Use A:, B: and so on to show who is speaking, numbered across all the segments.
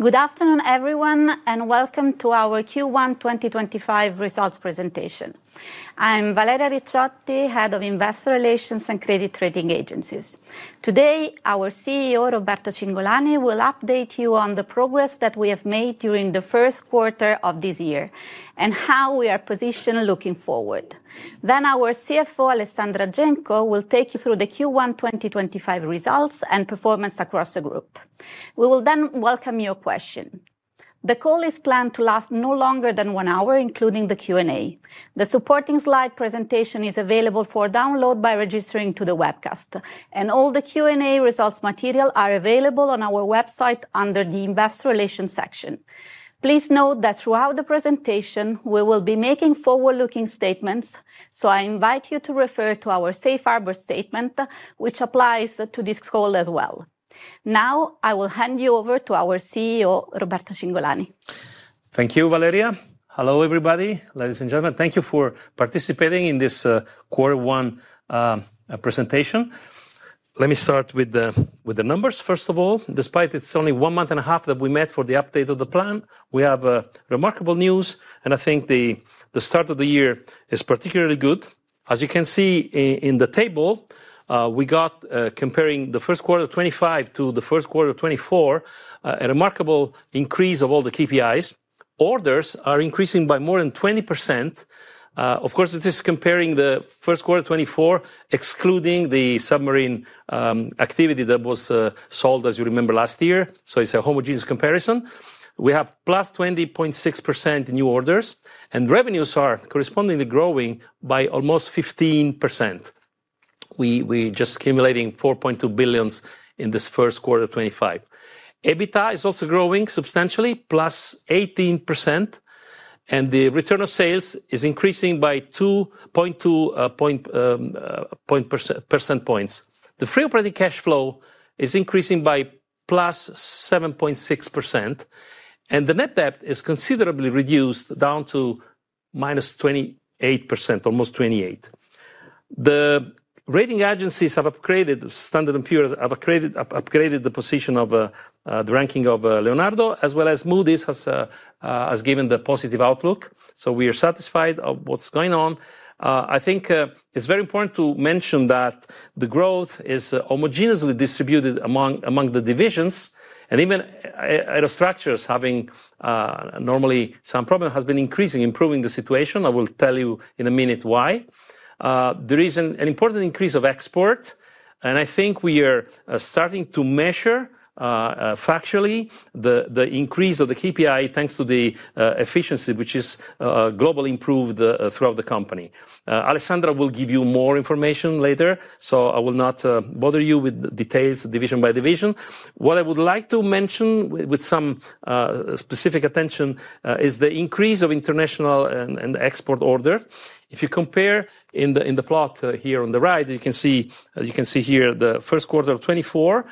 A: Good afternoon, everyone, and welcome to our Q1 2025 results presentation. I'm Valeria Ricciotti, Head of Investor Relations and Credit Rating Agencies. Today, our CEO, Roberto Cingolani, will update you on the progress that we have made during the first quarter of this year and how we are positioned looking forward. Then our CFO, Alessandra Genco, will take you through the Q1 2025 results and performance across the group. We will then welcome your questions. The call is planned to last no longer than one hour, including the Q&A. The supporting slide presentation is available for download by registering to the webcast, and all the Q&A results material are available on our website under the Investor Relations section. Please note that throughout the presentation, we will be making forward-looking statements, so I invite you to refer to our Safe Harbor Statement, which applies to this call as well. Now, I will hand you over to our CEO, Roberto Cingolani.
B: Thank you, Valeria. Hello, everybody. Ladies and gentlemen, thank you for participating in this Quarter One presentation. Let me start with the numbers, first of all. Despite it's only one month and a half that we met for the update of the plan, we have remarkable news, and I think the start of the year is particularly good. As you can see in the table, we got, comparing the first quarter 2025 to the first quarter 2024, a remarkable increase of all the KPIs. Orders are increasing by more than 20%. Of course, this is comparing the first quarter 2024, excluding the submarine activity that was sold, as you remember, last year. So it's a homogeneous comparison. We have plus 20.6% new orders, and revenues are correspondingly growing by almost 15%. We're just accumulating 4.2 billion in this first quarter 2025. EBITDA is also growing substantially, plus 18%, and the return on sales is increasing by 2.2 percentage points. The free operating cash flow is increasing by plus 7.6%, and the net debt is considerably reduced down to minus 28%, almost 28%. The rating agencies have upgraded. S&P have upgraded the rating of Leonardo, as well as Moody's has given the positive outlook, so we are satisfied of what's going on. I think it's very important to mention that the growth is homogeneously distributed among the divisions, and even a lot of structures having normally some problem has been increasing, improving the situation. I will tell you in a minute why. There is an important increase of export, and I think we are starting to measure factually the increase of the KPI thanks to the efficiency, which is globally improved throughout the company. Alessandra will give you more information later, so I will not bother you with the details division by division. What I would like to mention with some specific attention is the increase of international and export orders. If you compare in the plot here on the right, you can see here the first quarter of 2024.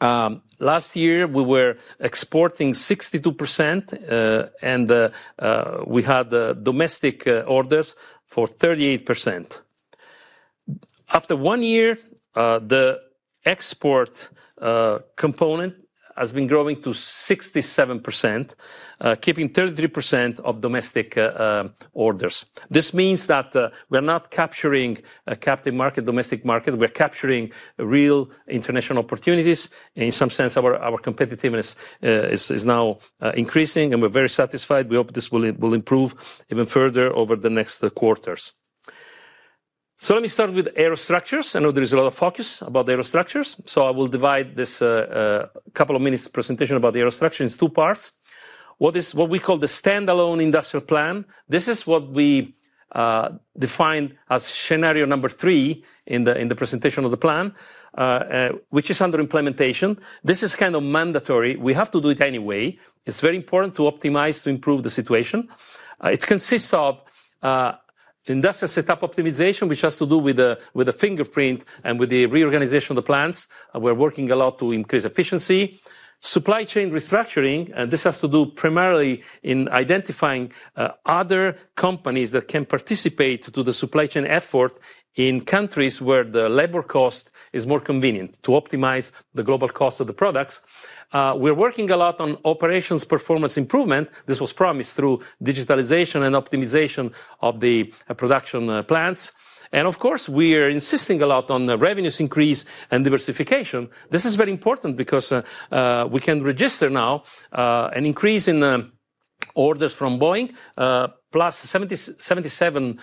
B: Last year, we were exporting 62%, and we had domestic orders for 38%. After one year, the export component has been growing to 67%, keeping 33% of domestic orders. This means that we're not capturing captive market, domestic market. We're capturing real international opportunities. In some sense, our competitiveness is now increasing, and we're very satisfied. We hope this will improve even further over the next quarters. Let me start with Aerostructures. I know there is a lot of focus about aerostructures, so I will divide this couple of minutes presentation about aerostructures in two parts. What is what we call the standalone industrial plan. This is what we define as scenario number three in the presentation of the plan, which is under implementation. This is kind of mandatory. We have to do it anyway. It's very important to optimize to improve the situation. It consists of industrial setup optimization, which has to do with the footprint and with the reorganization of the plants. We're working a lot to increase efficiency. Supply chain restructuring, and this has to do primarily with identifying other companies that can participate in the supply chain effort in countries where the labor cost is more convenient to optimize the global cost of the products. We're working a lot on operations performance improvement. This was promised through digitalization and optimization of the production plants. And of course, we are insisting a lot on revenues increase and diversification. This is very important because we can register now an increase in orders from Boeing, plus 77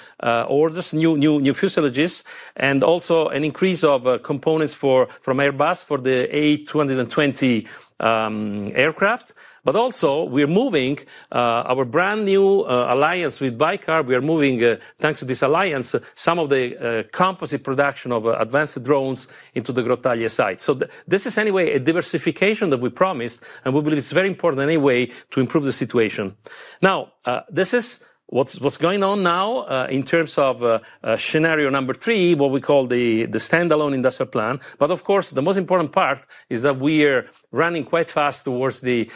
B: orders, new fuselages, and also an increase of components from Airbus for the A220 aircraft. But also, we are moving our brand new alliance with Baykar. We are moving, thanks to this alliance, some of the composite production of advanced drones into the Grottaglie site. So this is anyway a diversification that we promised, and we believe it's very important anyway to improve the situation. Now, this is what's going on now in terms of scenario number three, what we call the standalone industrial plan. But of course, the most important part is that we are running quite fast towards the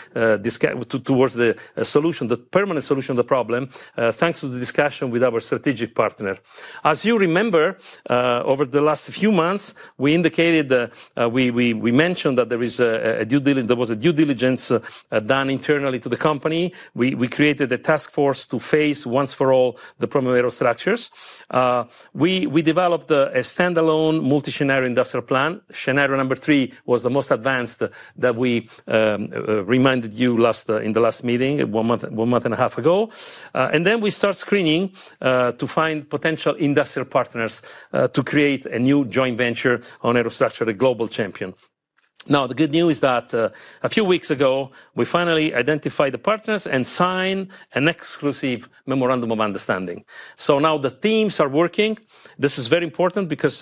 B: solution, the permanent solution of the problem, thanks to the discussion with our strategic partner. As you remember, over the last few months, we indicated, we mentioned that there was a due diligence done internally to the company. We created a task force to face once and for all the problem of aerostructures. We developed a standalone multi-scenario industrial plan. Scenario number three was the most advanced that we reminded you in the last meeting, one month and a half ago. And then we start screening to find potential industrial partners to create a new joint venture on aerostructures, a global champion. Now, the good news is that a few weeks ago, we finally identified the partners and signed an exclusive memorandum of understanding. So now the teams are working. This is very important because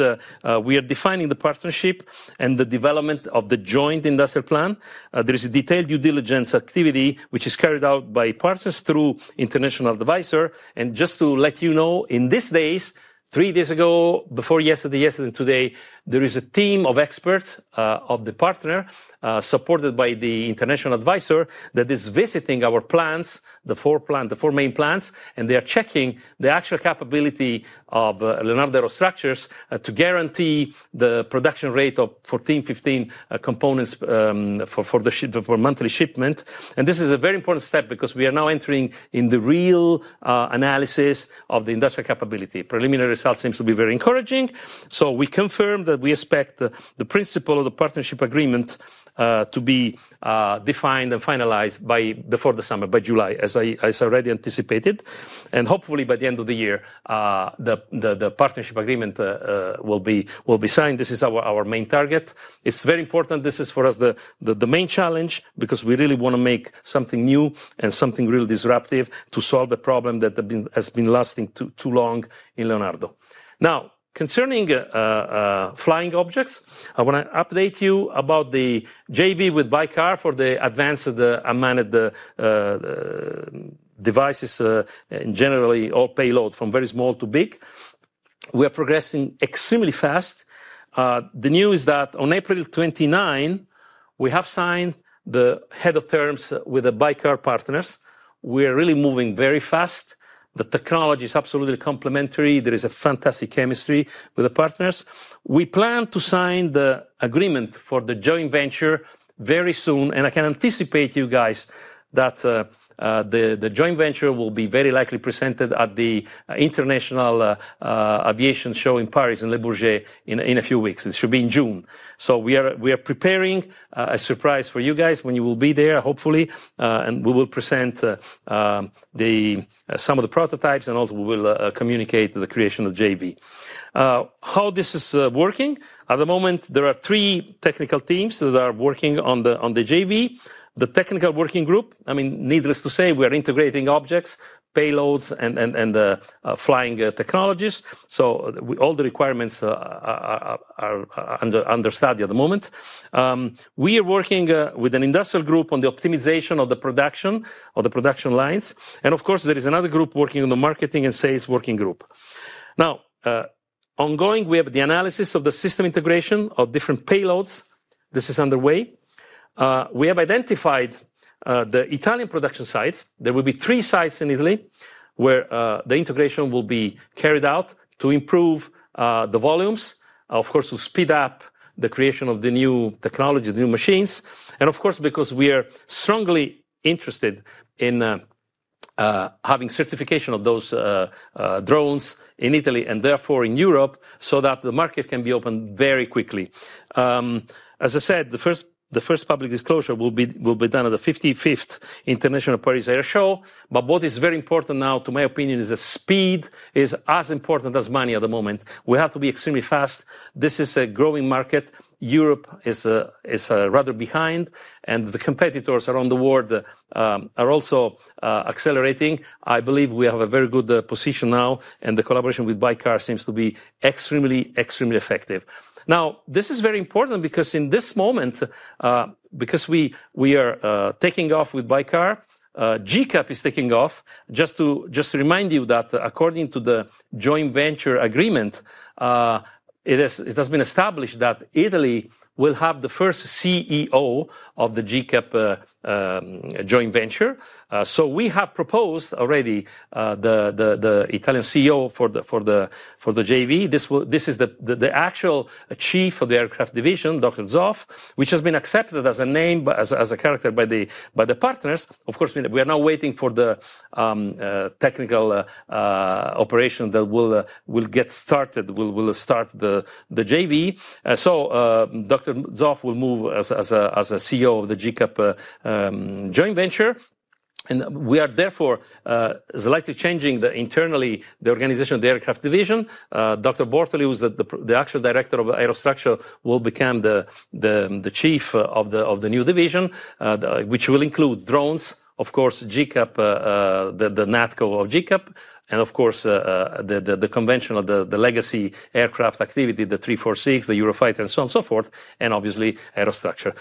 B: we are defining the partnership and the development of the joint industrial plan. There is a detailed due diligence activity, which is carried out by partners through international advisor. And just to let you know, in these days, three days ago, before yesterday, yesterday, and today, there is a team of experts of the partner supported by the international advisor that is visiting our plants, the four main plants, and they are checking the actual capability of Leonardo's aerostructures to guarantee the production rate of 14-15 components for monthly shipment. And this is a very important step because we are now entering in the real analysis of the industrial capability. Preliminary results seem to be very encouraging. So we confirm that we expect the signing of the partnership agreement to be defined and finalized before the summer, by July, as I already anticipated. Hopefully, by the end of the year, the partnership agreement will be signed. This is our main target. It's very important. This is for us the main challenge because we really want to make something new and something really disruptive to solve the problem that has been lasting too long in Leonardo. Now, concerning flying objects, I want to update you about the JV with Baykar for the advanced unmanned devices, generally all payload from very small to big. We are progressing extremely fast. The news is that on April 29, we have signed the head of terms with Baykar partners. We are really moving very fast. The technology is absolutely complementary. There is a fantastic chemistry with the partners. We plan to sign the agreement for the joint venture very soon, and I can anticipate you guys that the joint venture will be very likely presented at the International Aviation Show in Paris and Le Bourget in a few weeks. It should be in June. So we are preparing a surprise for you guys when you will be there, hopefully, and we will present some of the prototypes and also we will communicate the creation of the JV. How this is working? At the moment, there are three technical teams that are working on the JV. The technical working group, I mean, needless to say, we are integrating objects, payloads, and flying technologies. So all the requirements are under study at the moment. We are working with an industrial group on the optimization of the production lines. Of course, there is another group working on the marketing and sales working group. Now, ongoing, we have the analysis of the system integration of different payloads. This is underway. We have identified the Italian production sites. There will be three sites in Italy where the integration will be carried out to improve the volumes, of course, to speed up the creation of the new technology, the new machines. Of course, because we are strongly interested in having certification of those drones in Italy and therefore in Europe so that the market can be opened very quickly. As I said, the first public disclosure will be done at the 55th International Paris Air Show. What is very important now, to my opinion, is that speed is as important as money at the moment. We have to be extremely fast. This is a growing market. Europe is rather behind, and the competitors around the world are also accelerating. I believe we have a very good position now, and the collaboration with Baykar seems to be extremely, extremely effective. Now, this is very important because in this moment, because we are taking off with Baykar, GCAP is taking off. Just to remind you that according to the joint venture agreement, it has been established that Italy will have the first CEO of the GCAP joint venture. So we have proposed already the Italian CEO for the JV. This is the actual chief of the aircraft division, Dr. Zoff, which has been accepted as a name, as a character by the partners. Of course, we are now waiting for the technical operation that will get started, will start the JV. So Dr. Zoff will move as a CEO of the GCAP joint venture. We are therefore slightly changing internally the organization of the aircraft division. Dr. Bortoli, who's the actual director of aerostructures, will become the chief of the new division, which will include drones, of course, GCAP, the NatCo of GCAP, and of course, the conventional, the legacy aircraft activity, the 346, the Eurofighter, and so on and so forth, and obviously aerostructures.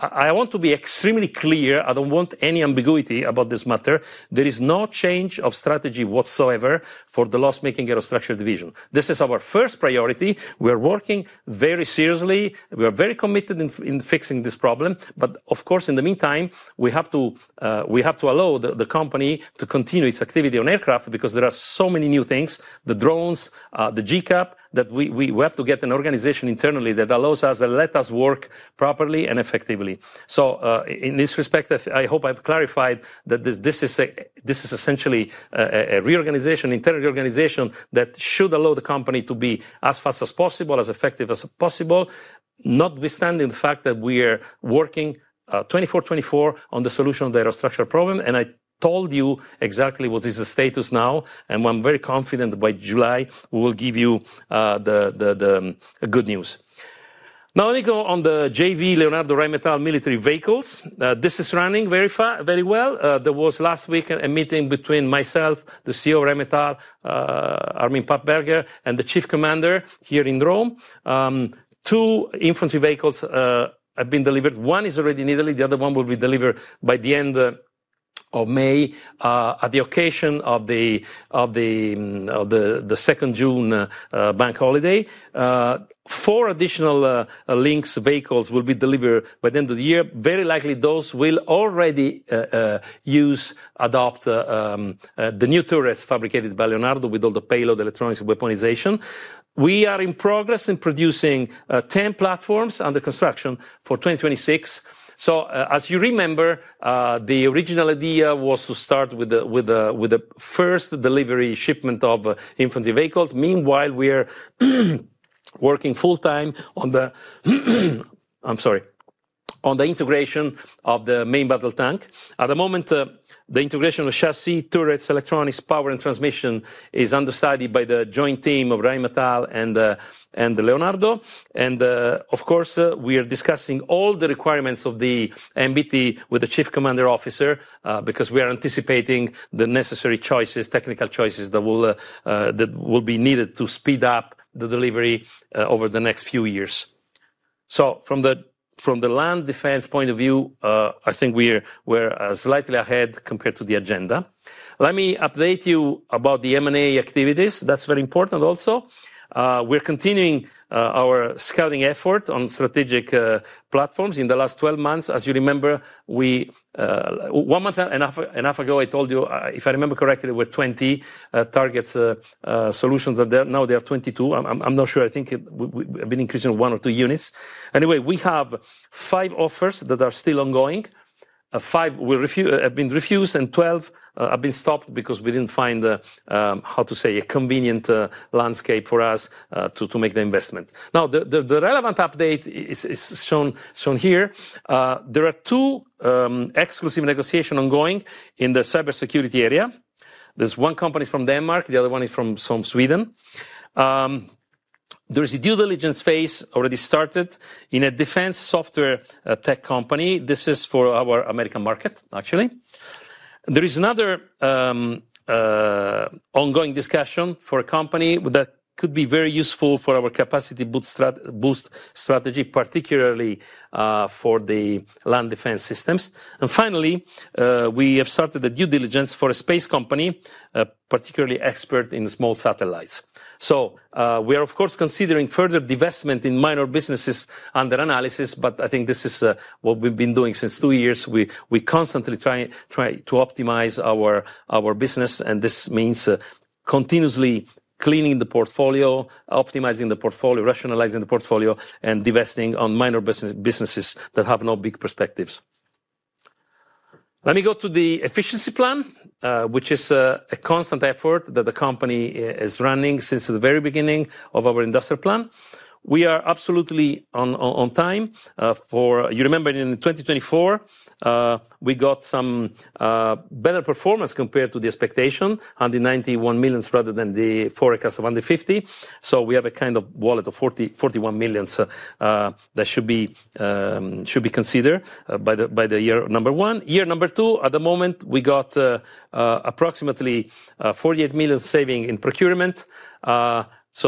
B: I want to be extremely clear. I don't want any ambiguity about this matter. There is no change of strategy whatsoever for the Aerostructures Division. this is our first priority. We are working very seriously. We are very committed in fixing this problem. But of course, in the meantime, we have to allow the company to continue its activity on aircraft because there are so many new things, the drones, the GCAP, that we have to get an organization internally that allows us and lets us work properly and effectively. So in this respect, I hope I've clarified that this is essentially a reorganization, internal reorganization that should allow the company to be as fast as possible, as effective as possible, notwithstanding the fact that we are working 24/24 on the solution of the aerostructure problem. And I told you exactly what is the status now, and I'm very confident that by July, we will give you the good news. Now, let me go on the JV, Leonardo Rheinmetall Military Vehicles. This is running very well. There was last week a meeting between myself, the CEO of Rheinmetall, Armin Papperger, and the chief commander here in Rome. Two infantry vehicles have been delivered. One is already in Italy. The other one will be delivered by the end of May at the occasion of the 2nd June bank holiday. Four additional Lynx vehicles will be delivered by the end of the year. Very likely, those will already use, adopt the new turrets fabricated by Leonardo with all the payload, electronics, weaponization. We are in progress in producing 10 platforms under construction for 2026. As you remember, the original idea was to start with the first delivery shipment of infantry vehicles. Meanwhile, we are working full-time on the, I'm sorry, on the integration of the main battle tank. At the moment, the integration of chassis, turrets, electronics, power, and transmission is under study by the joint team of Rheinmetall and Leonardo. And of course, we are discussing all the requirements of the MBT with the chief commanding officer because we are anticipating the necessary choices, technical choices that will be needed to speed up the delivery over the next few years. So from the land defense point of view, I think we're slightly ahead compared to the agenda. Let me update you about the M&A activities. That's very important also. We're continuing our scouting effort on strategic platforms in the last 12 months. As you remember, one month and a half ago, I told you, if I remember correctly, there were 20 target solutions that now there are 22. I'm not sure. I think we have been increasing one or two units. Anyway, we have five offers that are still ongoing. Five have been refused and 12 have been stopped because we didn't find, how to say, a convenient landscape for us to make the investment. Now, the relevant update is shown here. There are two exclusive negotiations ongoing in the cybersecurity area. There's one company from Denmark. The other one is from Sweden. There is a due diligence phase already started in a defense software tech company. This is for our American market, actually. There is another ongoing discussion for a company that could be very useful for our capacity boost strategy, particularly for the land defense systems. And finally, we have started a due diligence for a space company, particularly expert in small satellites. So we are, of course, considering further divestment in minor businesses under analysis, but I think this is what we've been doing since two years. We constantly try to optimize our business, and this means continuously cleaning the portfolio, optimizing the portfolio, rationalizing the portfolio, and divesting on minor businesses that have no big perspectives. Let me go to the efficiency plan, which is a constant effort that the company is running since the very beginning of our industrial plan. We are absolutely on time for, you remember, in 2024, we got some better performance compared to the expectation, under 91 million rather than the forecast of under 50. We have a kind of wallet of 41 million that should be considered by the year number one. Year number two, at the moment, we got approximately 48 million saving in procurement.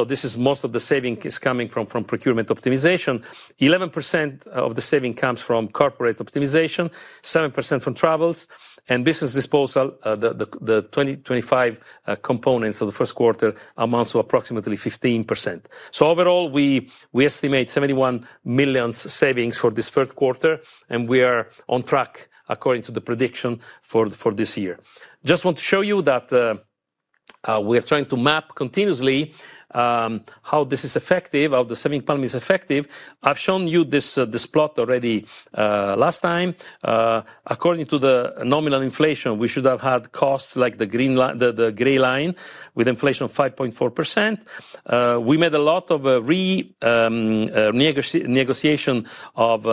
B: This is most of the saving is coming from procurement optimization. 11% of the saving comes from corporate optimization, 7% from travels and business disposal. The 2025 components of the first quarter amounts to approximately 15%. So overall, we estimate 71 million savings for this first quarter, and we are on track according to the prediction for this year. Just want to show you that we are trying to map continuously how this is effective, how the saving plan is effective. I've shown you this plot already last time. According to the nominal inflation, we should have had costs like the gray line with inflation of 5.4%. We made a lot of renegotiation of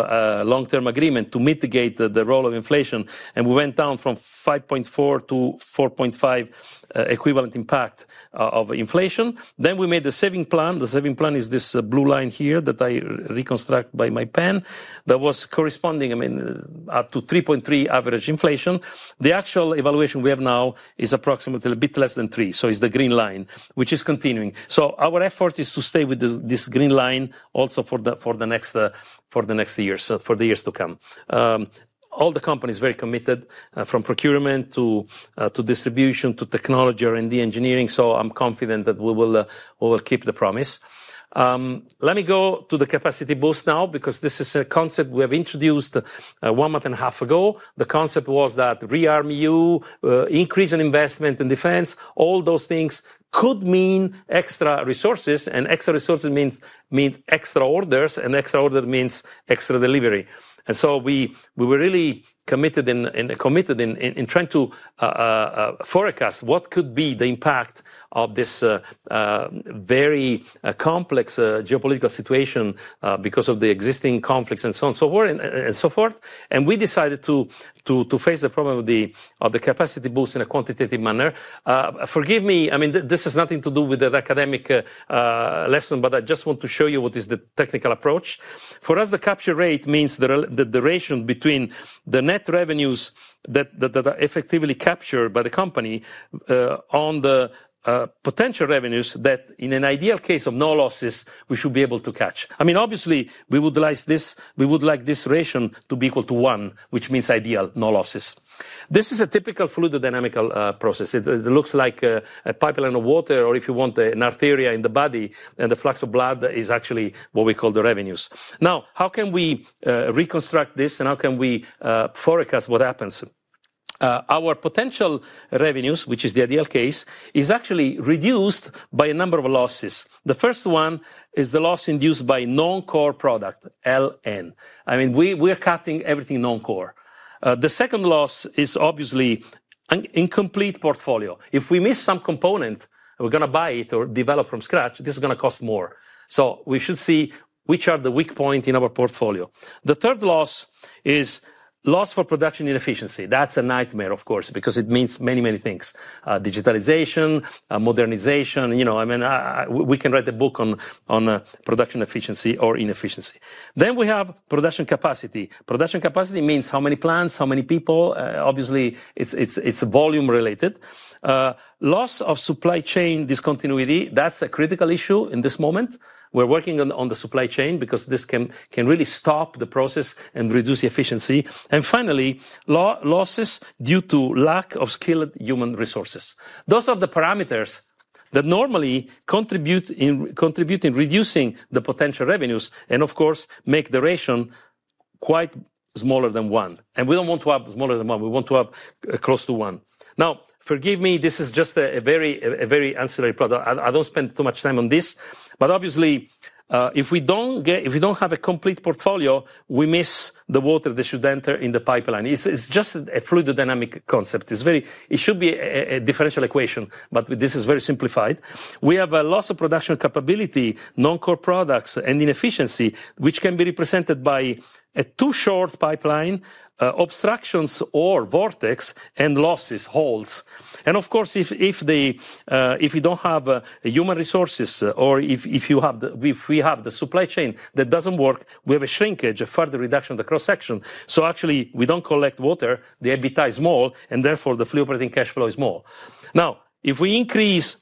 B: long-term agreement to mitigate the role of inflation, and we went down from 5.4% to 4.5% equivalent impact of inflation. Then we made the saving plan. The saving plan is this blue line here that I reconstructed by my pen that was corresponding, I mean, to 3.3 average inflation. The actual evaluation we have now is approximately a bit less than 3, so it's the green line, which is continuing. So our effort is to stay with this green line also for the next years, for the years to come. All the company is very committed from procurement to distribution to technology or in the engineering, so I'm confident that we will keep the promise. Let me go to the capacity boost now because this is a concept we have introduced one month and a half ago. The concept was that rearmament, increase in investment in defense, all those things could mean extra resources, and extra resources means extra orders, and extra orders means extra delivery. And so we were really committed in trying to forecast what could be the impact of this very complex geopolitical situation because of the existing conflicts and so on and so forth. And we decided to face the problem of the capacity boost in a quantitative manner. Forgive me, I mean, this has nothing to do with the academic lesson, but I just want to show you what is the technical approach. For us, the capture rate means the duration between the net revenues that are effectively captured by the company on the potential revenues that, in an ideal case of no losses, we should be able to catch. I mean, obviously, we would like this ratio to be equal to one, which means ideal, no losses. This is a typical fluid dynamical process. It looks like a pipeline of water or, if you want, an artery in the body, and the flux of blood is actually what we call the revenues. Now, how can we reconstruct this and how can we forecast what happens? Our potential revenues, which is the ideal case, is actually reduced by a number of losses. The first one is the loss induced by non-core product, LN. I mean, we are cutting everything non-core. The second loss is obviously incomplete portfolio. If we miss some component, we're going to buy it or develop from scratch, this is going to cost more. So we should see which are the weak points in our portfolio. The third loss is loss for production inefficiency. That's a nightmare, of course, because it means many, many things: digitalization, modernization. I mean, we can write a book on production efficiency or inefficiency. Then we have production capacity. Production capacity means how many plants, how many people. Obviously, it's volume-related. Loss of supply chain discontinuity, that's a critical issue in this moment. We're working on the supply chain because this can really stop the process and reduce efficiency. And finally, losses due to lack of skilled human resources. Those are the parameters that normally contribute in reducing the potential revenues and, of course, make duration quite smaller than one. And we don't want to have smaller than one. We want to have close to one. Now, forgive me, this is just a very ancillary product. I don't spend too much time on this. But obviously, if we don't have a complete portfolio, we miss the water that should enter in the pipeline. It's just a fluid dynamic concept. It should be a differential equation, but this is very simplified. We have a loss of production capability, non-core products, and inefficiency, which can be represented by a too short pipeline, obstructions or vortex, and losses, holes, and of course, if you don't have human resources or if we have the supply chain that doesn't work, we have a shrinkage, a further reduction of the cross-section, so actually, we don't collect water. The EBITDA is small, and therefore, the Free Operating Cash Flow is small. Now, if we increase,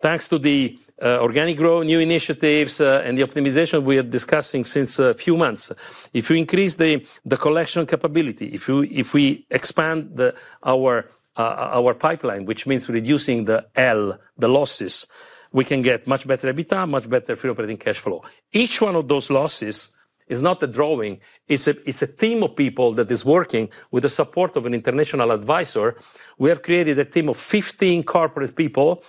B: thanks to the organic growth, new initiatives, and the optimization we are discussing since a few months, if we increase the collection capability, if we expand our pipeline, which means reducing the L, the losses, we can get much better EBITDA, much better Free Operating Cash Flow. Each one of those losses is not a drawing. It's a team of people that is working with the support of an international advisor. We have created a team of 15 corporate people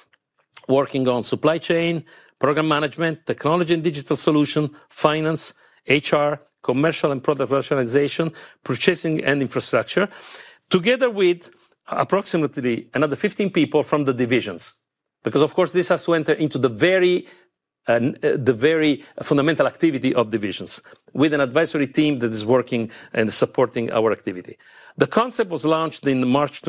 B: working on supply chain, program management, technology and digital solution, finance, HR, commercial and product rationalization, purchasing, and infrastructure, together with approximately another 15 people from the divisions. Because, of course, this has to enter into the very fundamental activity of divisions with an advisory team that is working and supporting our activity. The concept was launched in March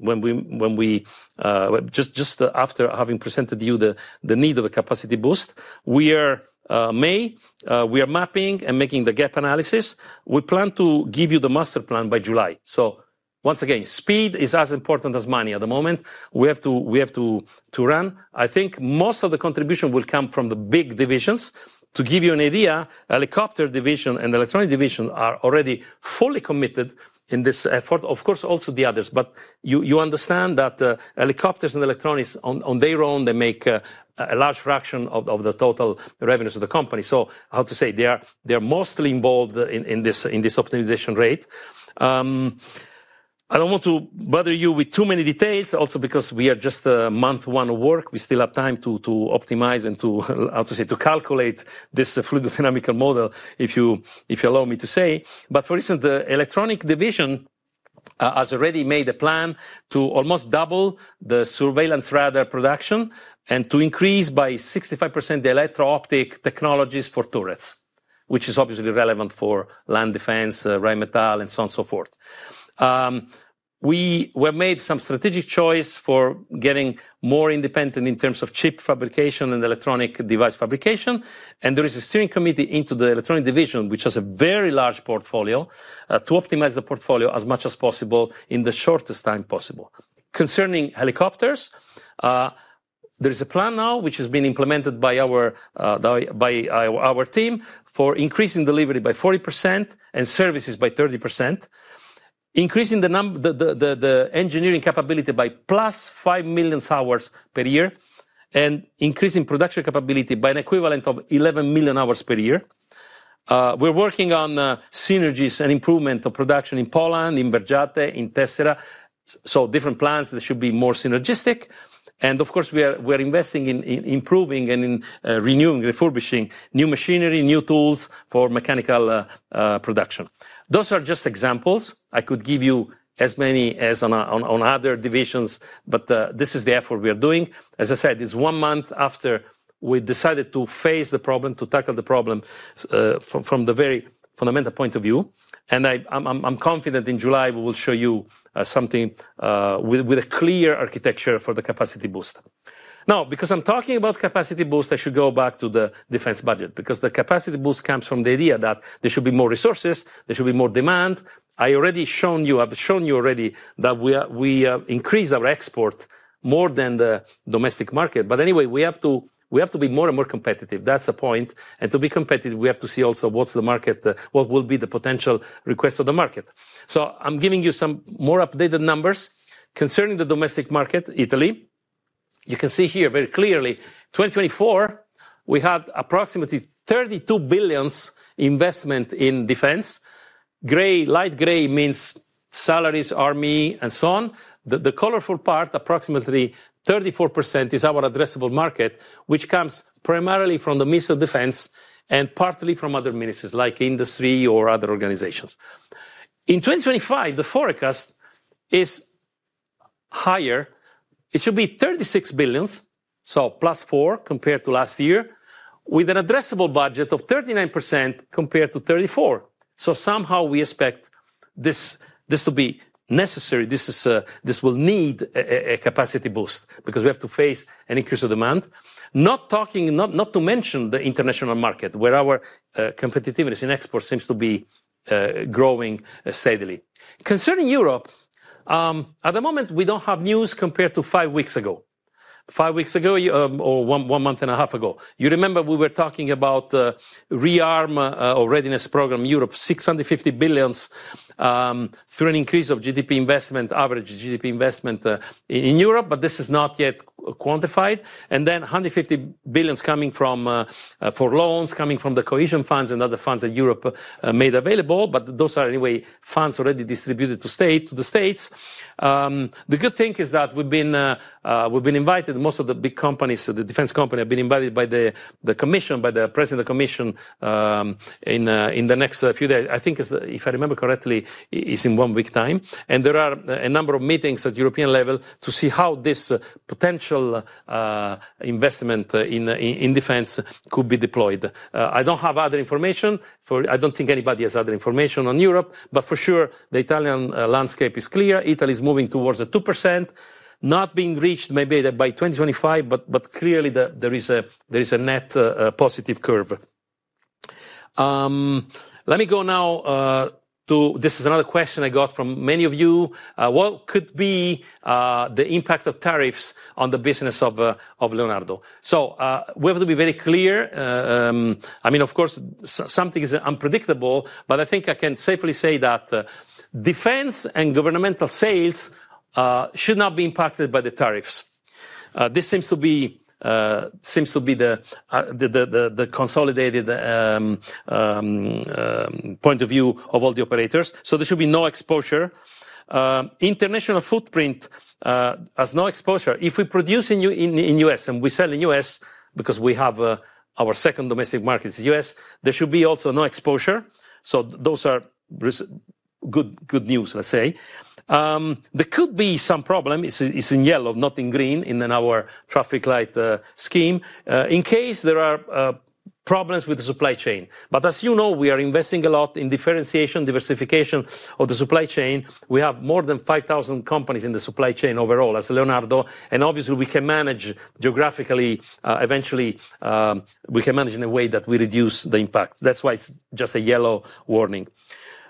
B: 2025, just after having presented to you the need of a capacity boost. We are mapping and making the gap analysis. We plan to give you the master plan by July. So once again, speed is as important as money at the moment. We have to run. I think most of the contribution will come from the big divisions. To give you an idea, helicopter division and electronic division are already fully committed in this effort. Of course, also the others. But you understand that helicopters and electronics, on their own, they make a large fraction of the total revenues of the company. So how to say, they are mostly involved in this optimization rate. I don't want to bother you with too many details, also because we are just month one of work. We still have time to optimize and, how to say, to calculate this fluid dynamical model, if you allow me to say. But for instance, the electronic division has already made a plan to almost double the surveillance radar production and to increase by 65% the electro-optic technologies for turrets, which is obviously relevant for land defense, Rheinmetall, and so on and so forth. We have made some strategic choices for getting more independent in terms of chip fabrication and electronic device fabrication. There is a steering committee into the electronic division, which has a very large portfolio, to optimize the portfolio as much as possible in the shortest time possible. Concerning helicopters, there is a plan now, which has been implemented by our team for increasing delivery by 40% and services by 30%, increasing the engineering capability by plus 5 million hours per year, and increasing production capability by an equivalent of 11 million hours per year. We're working on synergies and improvement of production in Poland, in Vergiate, in Tessera. So different plants that should be more synergistic. And of course, we are investing in improving and in renewing, refurbishing new machinery, new tools for mechanical production. Those are just examples. I could give you as many as on other divisions, but this is the effort we are doing. As I said, it's one month after we decided to face the problem, to tackle the problem from the very fundamental point of view. And I'm confident in July, we will show you something with a clear architecture for the capacity boost. Now, because I'm talking about capacity boost, I should go back to the defense budget because the capacity boost comes from the idea that there should be more resources, there should be more demand. I already have shown you that we increase our export more than the domestic market. But anyway, we have to be more and more competitive. That's a point. And to be competitive, we have to see also what's the market, what will be the potential request of the market. So I'm giving you some more updated numbers. Concerning the domestic market, Italy, you can see here very clearly, 2024, we had approximately 32 billion investment in defense. Light gray means salaries, army, and so on. The colorful part, approximately 34%, is our addressable market, which comes primarily from the Ministry of Defense and partly from other ministries like industry or other organizations. In 2025, the forecast is higher. It should be 36 billion, so plus 4 compared to last year, with an addressable budget of 39% compared to 34%. So somehow, we expect this to be necessary. This will need a capacity boost because we have to face an increase of demand. Not to mention the international market, where our competitiveness in exports seems to be growing steadily. Concerning Europe, at the moment, we don't have news compared to five weeks ago or one month and a half ago. You remember we were talking about rearm or readiness program, Europe, 650 billion through an increase of GDP investment, average GDP investment in Europe, but this is not yet quantified, and then 150 billion coming from loans, coming from the cohesion funds and other funds that Europe made available. But those are, anyway, funds already distributed to the states. The good thing is that we've been invited. Most of the big companies, the defense companies have been invited by the commission, by the president of the commission in the next few days. I think, if I remember correctly, it's in one week's time, and there are a number of meetings at the European level to see how this potential investment in defense could be deployed. I don't have other information. I don't think anybody has other information on Europe, but for sure, the Italian landscape is clear. Italy is moving towards a 2%, not being reached maybe by 2025, but clearly, there is a net positive curve. Let me go now to this. This is another question I got from many of you. What could be the impact of tariffs on the business of Leonardo? So we have to be very clear. I mean, of course, something is unpredictable, but I think I can safely say that defense and governmental sales should not be impacted by the tariffs. This seems to be the consolidated point of view of all the operators. So there should be no exposure. International footprint has no exposure. If we produce in the U.S. and we sell in the U.S. because we have our second domestic market is the U.S., there should be also no exposure. So those are good news, let's say. There could be some problem. It's in yellow, not in green in our traffic light scheme, in case there are problems with the supply chain, but as you know, we are investing a lot in differentiation, diversification of the supply chain. We have more than 5,000 companies in the supply chain overall, as Leonardo, and obviously, we can manage geographically. Eventually, we can manage in a way that we reduce the impact. That's why it's just a yellow warning.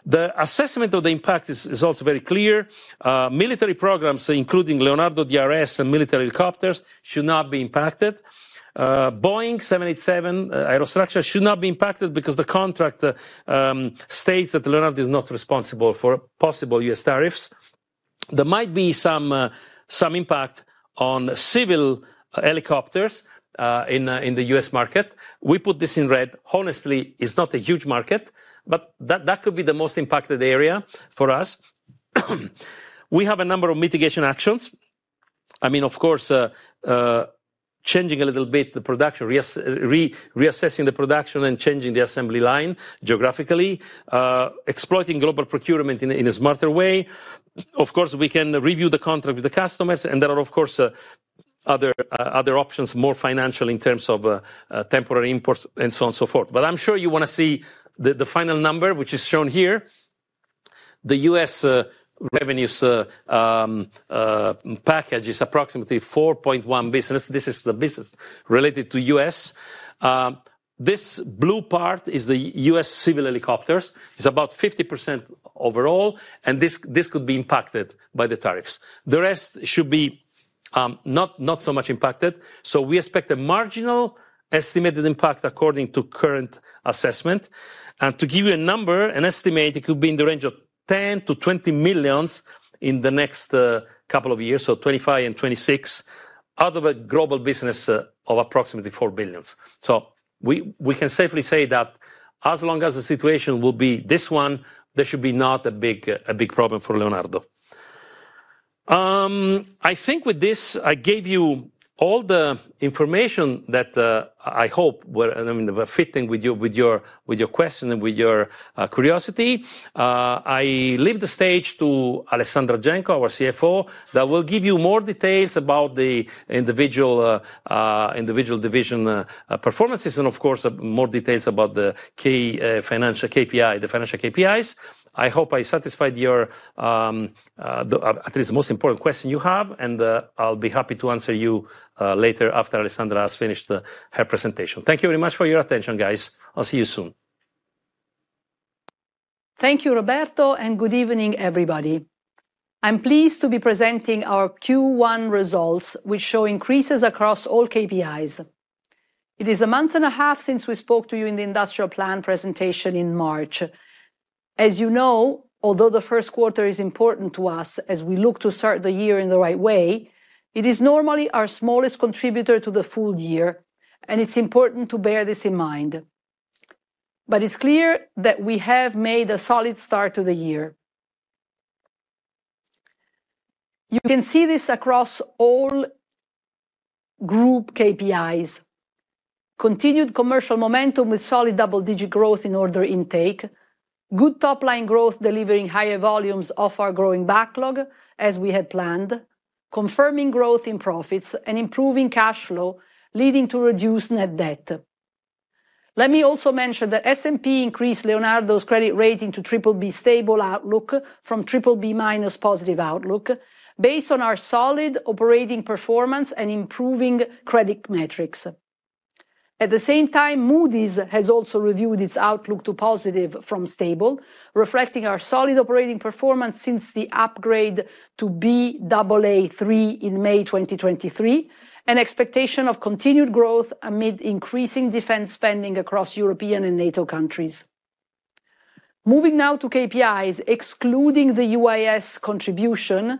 B: The assessment of the impact is also very clear. Military programs, including Leonardo DRS and military helicopters, should not be impacted. Boeing 787 aerostructures should not be impacted because the contract states that Leonardo is not responsible for possible U.S. tariffs. There might be some impact on civil helicopters in the U.S. market. We put this in red. Honestly, it's not a huge market, but that could be the most impacted area for us. We have a number of mitigation actions. I mean, of course, changing a little bit the production, reassessing the production and changing the assembly line geographically, exploiting global procurement in a smarter way. Of course, we can review the contract with the customers, and there are, of course, other options, more financial in terms of temporary imports and so on and so forth, but I'm sure you want to see the final number, which is shown here. The U.S. revenues package is approximately $4.1 billion. This is the business related to U.S. This blue part is the U.S. civil helicopters. It's about 50% overall. And this could be impacted by the tariffs. The rest should be not so much impacted. So we expect a marginal estimated impact according to current assessment. To give you a number, an estimate, it could be in the range of 10 million-20 million in the next couple of years, so 2025 and 2026, out of a global business of approximately 4 billion. We can safely say that as long as the situation will be this one, there should be not a big problem for Leonardo. I think with this, I gave you all the information that I hope were fitting with your question and with your curiosity. I leave the stage to Alessandra Genco, our CFO, that will give you more details about the individual division performances and, of course, more details about the key financial KPIs, the financial KPIs. I hope I satisfied your, at least, the most important question you have. I'll be happy to answer you later after Alessandra has finished her presentation. Thank you very much for your attention, guys. I'll see you soon.
C: Thank you, Roberto, and good evening, everybody. I'm pleased to be presenting our Q1 results, which show increases across all KPIs. It is a month and a half since we spoke to you in the industrial plan presentation in March. As you know, although the first quarter is important to us as we look to start the year in the right way, it is normally our smallest contributor to the full year, and it's important to bear this in mind. But it's clear that we have made a solid start to the year. You can see this across all group KPIs. Continued commercial momentum with solid double-digit growth in order intake. Good top-line growth delivering higher volumes of our growing backlog as we had planned, confirming growth in profits and improving cash flow, leading to reduced net debt. Let me also mention that S&P increased Leonardo's credit rating to triple B stable outlook from triple B minus positive outlook based on our solid operating performance and improving credit metrics. At the same time, Moody's has also reviewed its outlook to positive from stable, reflecting our solid operating performance since the upgrade to Baa3 in May 2023 and expectation of continued growth amid increasing defense spending across European and NATO countries. Moving now to KPIs, excluding the U.S. contribution,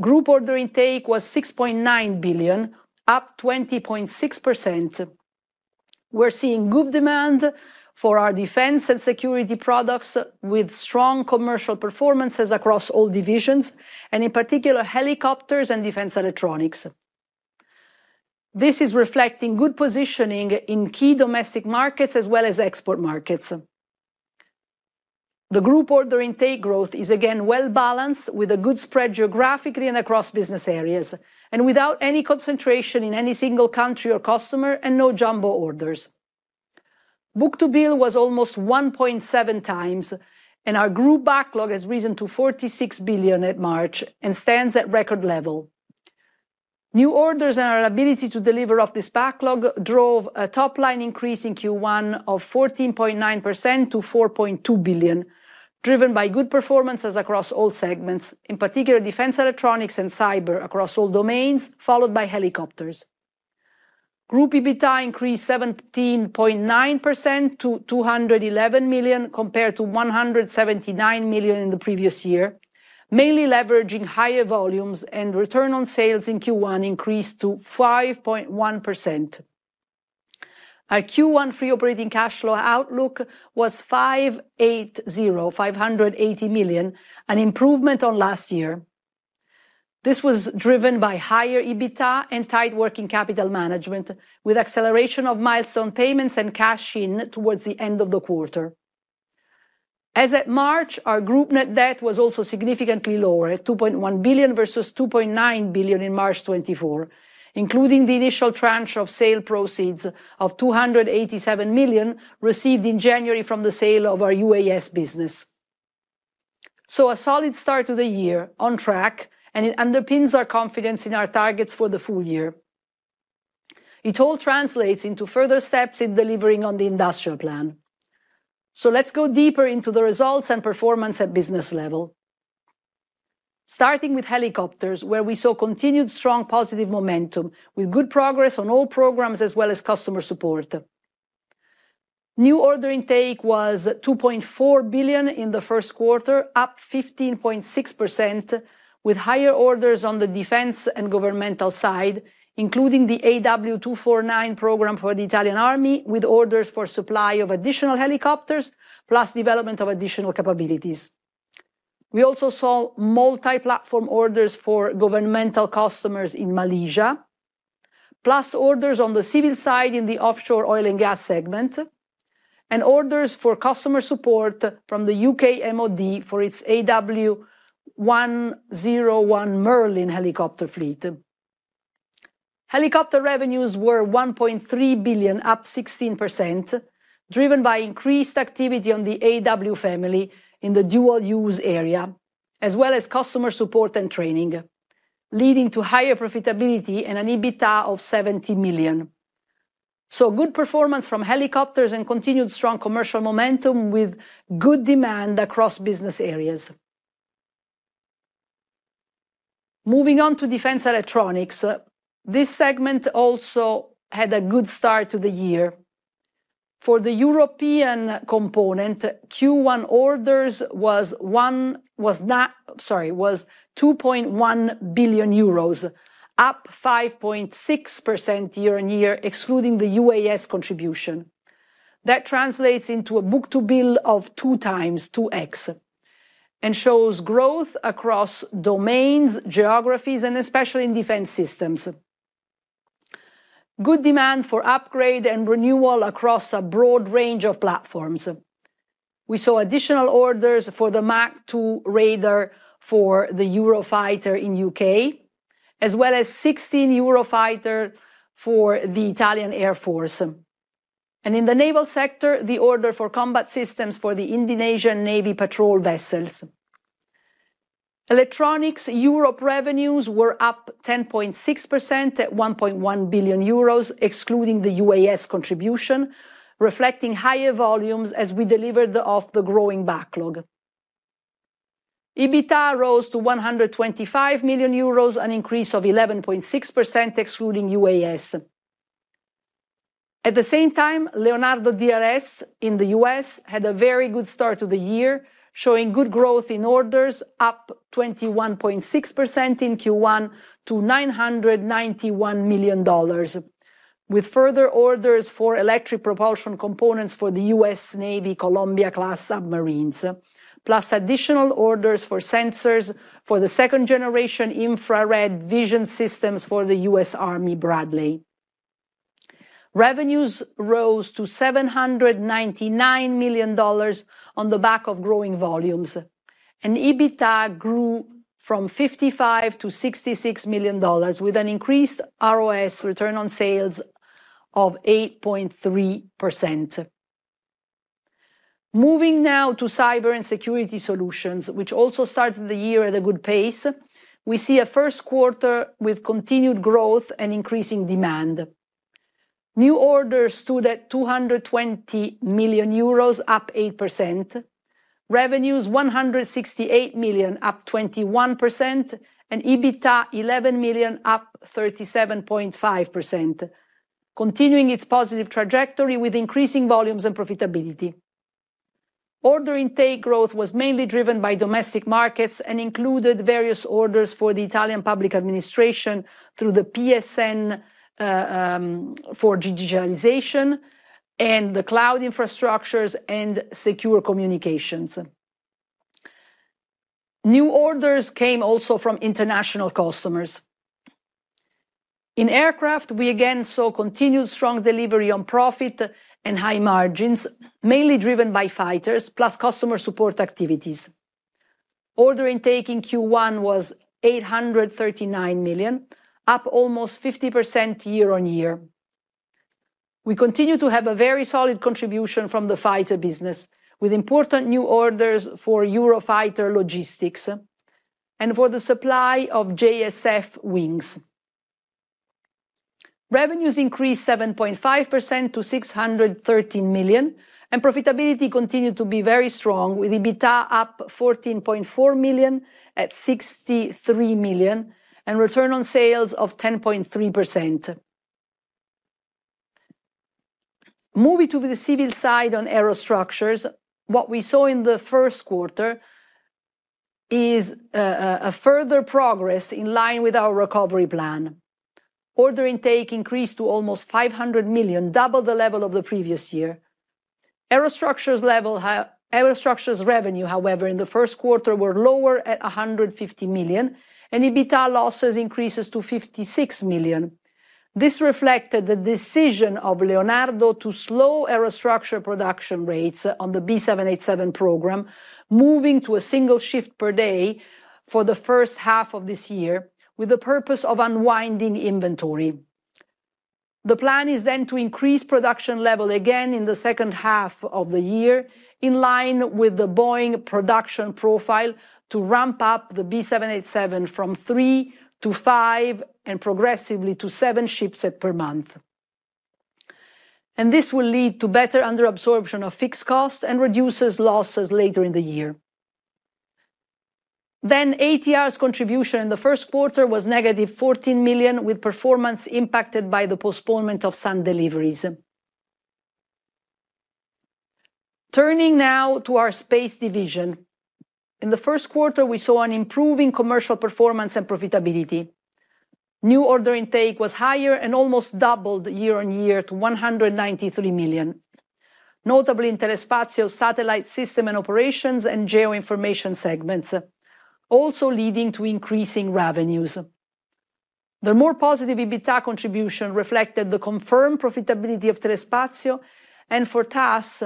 C: group order intake was 6.9 billion, up 20.6%. We're seeing good demand for our defense and security products with strong commercial performances across all divisions, and in particular, helicopters and defense electronics. This is reflecting good positioning in key domestic markets as well as export markets. The group order intake growth is again well-balanced with a good spread geographically and across business areas, and without any concentration in any single country or customer and no jumbo orders. Book-to-Bill was almost 1.7 times, and our group backlog has risen to 46 billion at March and stands at record level. New orders and our ability to deliver off this backlog drove a top-line increase in Q1 of 14.9% to 4.2 billion, driven by good performances across all segments, in particular, defense electronics and cyber across all domains, followed by helicopters. Group EBITDA increased 17.9% to 211 million compared to 179 million in the previous year, mainly leveraging higher volumes, and return on sales in Q1 increased to 5.1%. Our Q1 free operating cash flow outlook was 580 million, an improvement on last year. This was driven by higher EBITDA and tight working capital management with acceleration of milestone payments and cash in towards the end of the quarter. As at March, our group net debt was also significantly lower, 2.1 billion versus 2.9 billion in March 2024, including the initial tranche of sale proceeds of 287 million received in January from the sale of our UAS business. So a solid start to the year on track, and it underpins our confidence in our targets for the full year. It all translates into further steps in delivering on the industrial plan. So let's go deeper into the results and performance at business level. Starting with helicopters, where we saw continued strong positive momentum with good progress on all programs as well as customer support. New order intake was 2.4 billion in the first quarter, up 15.6%, with higher orders on the defense and governmental side, including the AW249 program for the Italian Army, with orders for supply of additional helicopters, plus development of additional capabilities. We also saw multi-platform orders for governmental customers in Malaysia, plus orders on the civil side in the offshore oil and gas segment, and orders for customer support from the U.K. MoD for its AW101 Merlin helicopter fleet. Helicopter revenues were 1.3 billion, up 16%, driven by increased activity on the AW family in the dual-use area, as well as customer support and training, leading to higher profitability and an EBITDA of 70 million, good performance from helicopters and continued strong commercial momentum with good demand across business areas. Moving on to defense electronics, this segment also had a good start to the year. For the European component, Q1 orders was 2.1 billion euros, up 5.6% year-on-year, excluding the UAS contribution. That translates into a book-to-bill of two times, 2x, and shows growth across domains, geographies, and especially in defense systems. Good demand for upgrade and renewal across a broad range of platforms. We saw additional orders for the ECRS Mk 2 radar for the Eurofighter in the U.K., as well as 16 Eurofighter for the Italian Air Force, and in the naval sector, the order for combat systems for the Indonesian Navy patrol vessels. Electronics Europe revenues were up 10.6% at 1.1 billion euros, excluding the UAS contribution, reflecting higher volumes as we delivered off the growing backlog. EBITDA rose to 125 million euros, an increase of 11.6%, excluding UAS. At the same time, Leonardo DRS in the U.S. had a very good start to the year, showing good growth in orders, up 21.6% in Q1 to $991 million, with further orders for electric propulsion components for the U.S. Navy Columbia-class submarines, plus additional orders for sensors for the second-generation infrared vision systems for the U.S. Army Bradley. Revenues rose to $799 million on the back of growing volumes, and EBITDA grew from $55 million to $66 million, with an increased ROS return on sales of 8.3%. Moving now to cyber and security solutions, which also started the year at a good pace, we see a first quarter with continued growth and increasing demand. New orders stood at 220 million euros, up 8%. Revenues 168 million EUR, up 21%, and EBITDA 11 million EUR, up 37.5%, continuing its positive trajectory with increasing volumes and profitability. Order intake growth was mainly driven by domestic markets and included various orders for the Italian public administration through the PSN for digitalization and the cloud infrastructures and secure communications. New orders came also from international customers. In aircraft, we again saw continued strong delivery on profit and high margins, mainly driven by fighters, plus customer support activities. Order intake in Q1 was 839 million, up almost 50% year-on-year. We continue to have a very solid contribution from the fighter business, with important new orders for Eurofighter Logistics and for the supply of JSF wings. Revenues increased 7.5% to 613 million, and profitability continued to be very strong, with EBITDA up 14.4 million at 63 million and return on sales of 10.3%. Moving to the civil side on Aerostructures, what we saw in the first quarter is a further progress in line with our recovery plan. Order intake increased to almost 500 million, double the level of the previous year. Aerostructures revenue, however, in the first quarter were lower at 150 million, and EBITDA losses increased to 56 million. This reflected the decision of Leonardo to slow Aerostructures production rates on the B787 program, moving to a single shift per day for the first half of this year with the purpose of unwinding inventory. The plan is then to increase production level again in the second half of the year in line with the Boeing production profile to ramp up the B787 from three to five and progressively to seven ships per month. This will lead to better underabsorption of fixed costs and reduces losses later in the year. ATR's contribution in the first quarter was negative 14 million, with performance impacted by the postponement of some deliveries. Turning now to our space division. In the first quarter, we saw an improving commercial performance and profitability. New order intake was higher and almost doubled year-on-year to 193 million, notably in Telespazio satellite system and operations and geoinformation segments, also leading to increasing revenues. The more positive EBITDA contribution reflected the confirmed profitability of Telespazio and for TAS,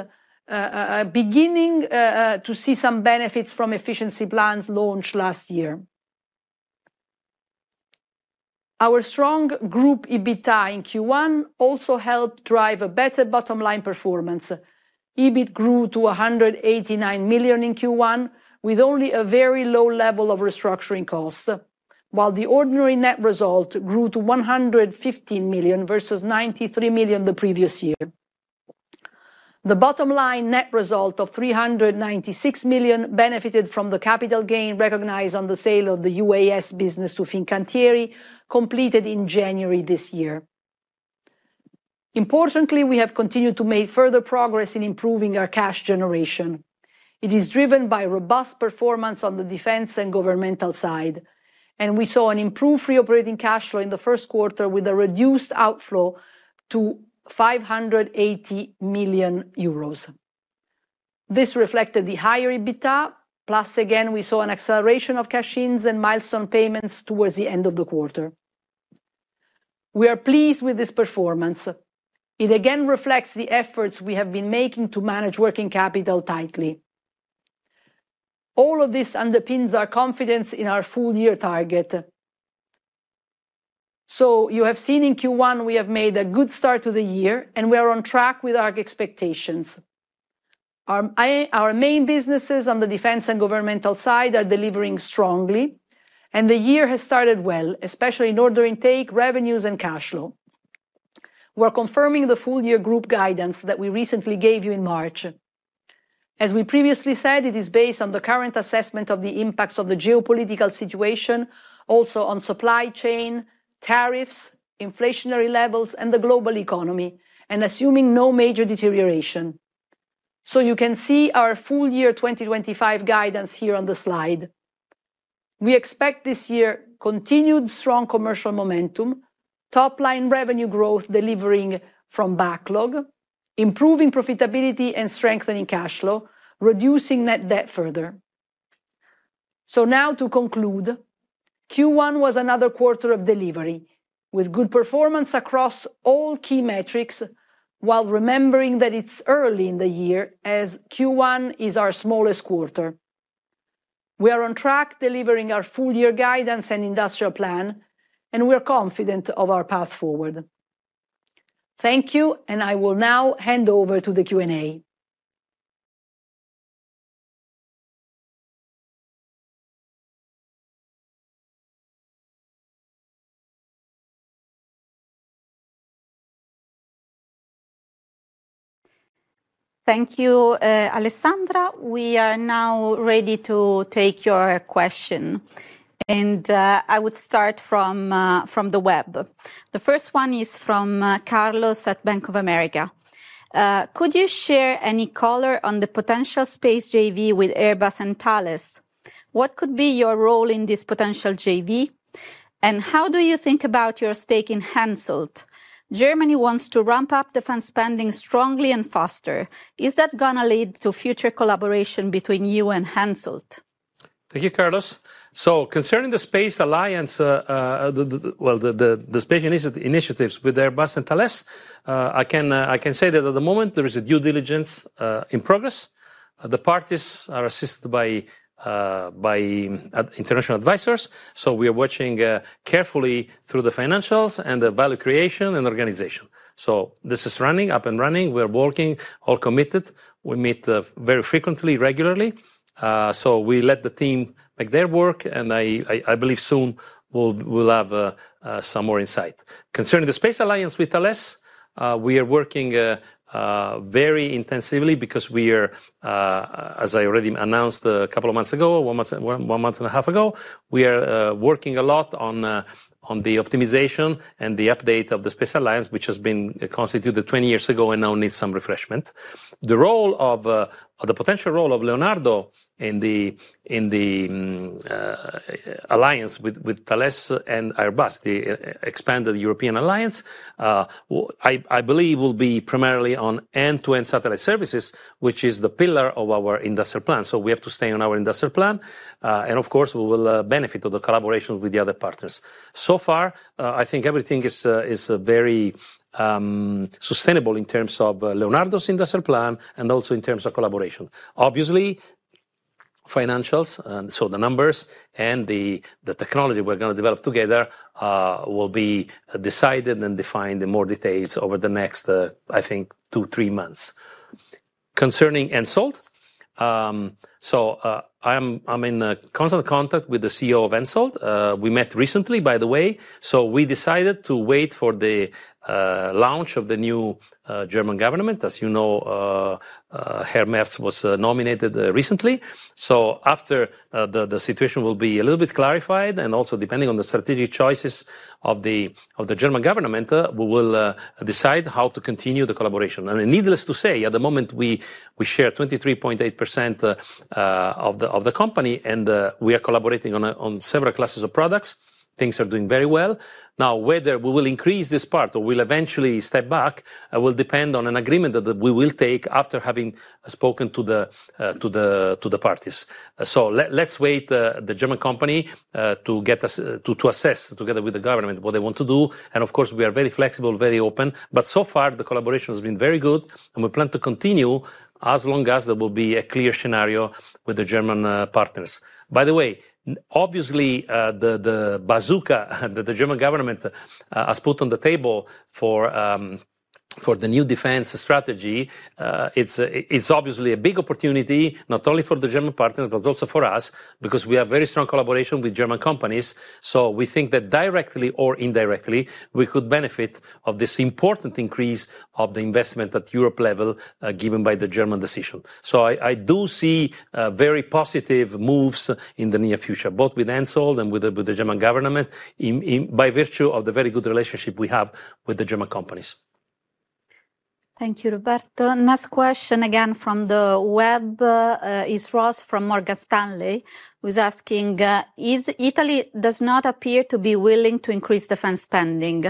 C: beginning to see some benefits from efficiency plans launched last year. Our strong group EBITDA in Q1 also helped drive a better bottom-line performance. EBITDA grew to 189 million in Q1, with only a very low level of restructuring cost, while the ordinary net result grew to 115 million versus 93 million the previous year. The bottom-line net result of 396 million benefited from the capital gain recognized on the sale of the UAS business to Fincantieri, completed in January this year. Importantly, we have continued to make further progress in improving our cash generation. It is driven by robust performance on the defense and governmental side, and we saw an improved free operating cash flow in the first quarter with a reduced outflow to 580 million euros. This reflected the higher EBITDA, plus again we saw an acceleration of cash ins and milestone payments towards the end of the quarter. We are pleased with this performance. It again reflects the efforts we have been making to manage working capital tightly. All of this underpins our confidence in our full year target. So you have seen in Q1 we have made a good start to the year, and we are on track with our expectations. Our main businesses on the defense and governmental side are delivering strongly, and the year has started well, especially in order intake, revenues, and cash flow. We're confirming the full year group guidance that we recently gave you in March. As we previously said, it is based on the current assessment of the impacts of the geopolitical situation, also on supply chain, tariffs, inflationary levels, and the global economy, and assuming no major deterioration. So you can see our full year 2025 guidance here on the slide. We expect this year continued strong commercial momentum, top-line revenue growth delivering from backlog, improving profitability and strengthening cash flow, reducing net debt further. So now to conclude, Q1 was another quarter of delivery with good performance across all key metrics, while remembering that it's early in the year as Q1 is our smallest quarter. We are on track delivering our full year guidance and industrial plan, and we are confident of our path forward. Thank you, and I will now hand over to the Q&A.
A: Thank you, Alessandra. We are now ready to take your question, and I would start from the web. The first one is from Carlos at Bank of America. Could you share any color on the potential space JV with Airbus and Thales? What could be your role in this potential JV, and how do you think about your stake in Hensoldt? Germany wants to ramp up defense spending strongly and faster. Is that going to lead to future collaboration between you and Hensoldt?
B: Thank you, Carlos. So concerning the space alliance, well, the space initiatives with Airbus and Thales, I can say that at the moment there is a due diligence in progress. The parties are assisted by international advisors, so we are watching carefully through the financials and the value creation and organization. So this is running, up and running. We are working all committed. We meet very frequently, regularly. So we let the team make their work, and I believe soon we'll have some more insight. Concerning the space alliance with Thales, we are working very intensively because we are, as I already announced a couple of months ago, one month and a half ago, we are working a lot on the optimization and the update of the space alliance, which has been constituted 20 years ago and now needs some refreshment. The role of the potential role of Leonardo in the alliance with Thales and Airbus, the expanded European alliance, I believe will be primarily on end-to-end satellite services, which is the pillar of our industrial plan. So we have to stay on our industrial plan, and of course, we will benefit from the collaboration with the other partners. So far, I think everything is very sustainable in terms of Leonardo's industrial plan and also in terms of collaboration. Obviously, financials, so the numbers and the technology we're going to develop together will be decided and defined in more details over the next, I think, two, three months. Concerning Hensoldt, so I'm in constant contact with the CEO of Hensoldt. We met recently, by the way, so we decided to wait for the launch of the new German government. As you know, Herr Merz was nominated recently, so after the situation will be a little bit clarified, and also depending on the strategic choices of the German government, we will decide how to continue the collaboration, and needless to say, at the moment, we share 23.8% of the company, and we are collaborating on several classes of products. Things are doing very well. Now, whether we will increase this part or we'll eventually step back will depend on an agreement that we will take after having spoken to the parties. So let's wait for the German company to assess together with the government what they want to do. And of course, we are very flexible, very open, but so far, the collaboration has been very good, and we plan to continue as long as there will be a clear scenario with the German partners. By the way, obviously, the bazooka that the German government has put on the table for the new defense strategy, it's obviously a big opportunity not only for the German partners, but also for us, because we have very strong collaboration with German companies. So we think that directly or indirectly, we could benefit from this important increase of the investment at Europe level given by the German decision. So I do see very positive moves in the near future, both with Hensoldt and with the German government by virtue of the very good relationship we have with the German companies.
A: Thank you, Roberto. Last question again from the web is Ross from Morgan Stanley who's asking, "Italy does not appear to be willing to increase defense spending.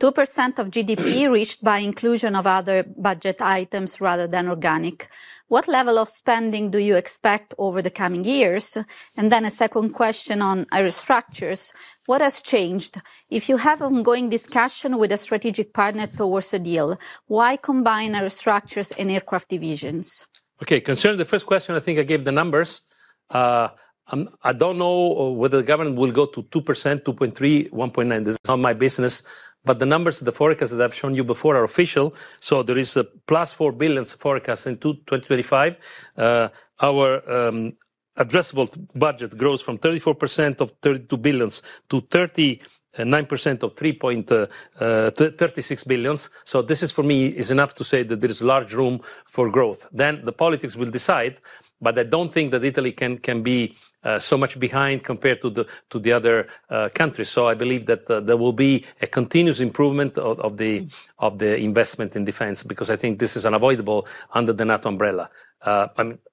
A: 2% of GDP reached by inclusion of other budget items rather than organic. What level of spending do you expect over the coming years?" And then a second question on aerostructures. "What has changed? If you have ongoing discussion with a strategic partner towards a deal, why combine aerostructures and aircraft divisions?"
B: Okay, concerning the first question, I think I gave the numbers. I don't know whether the government will go to 2%, 2.3%, 1.9%. This is not my business, but the numbers of the forecasts that I've shown you before are official. So there is a plus 4 billion forecast in 2025. Our addressable budget grows from 34% of 32 billion to 39% of 3.36 billion. So this is, for me, enough to say that there is large room for growth. Then the politics will decide, but I don't think that Italy can be so much behind compared to the other countries. So I believe that there will be a continuous improvement of the investment in defense because I think this is unavoidable under the NATO umbrella.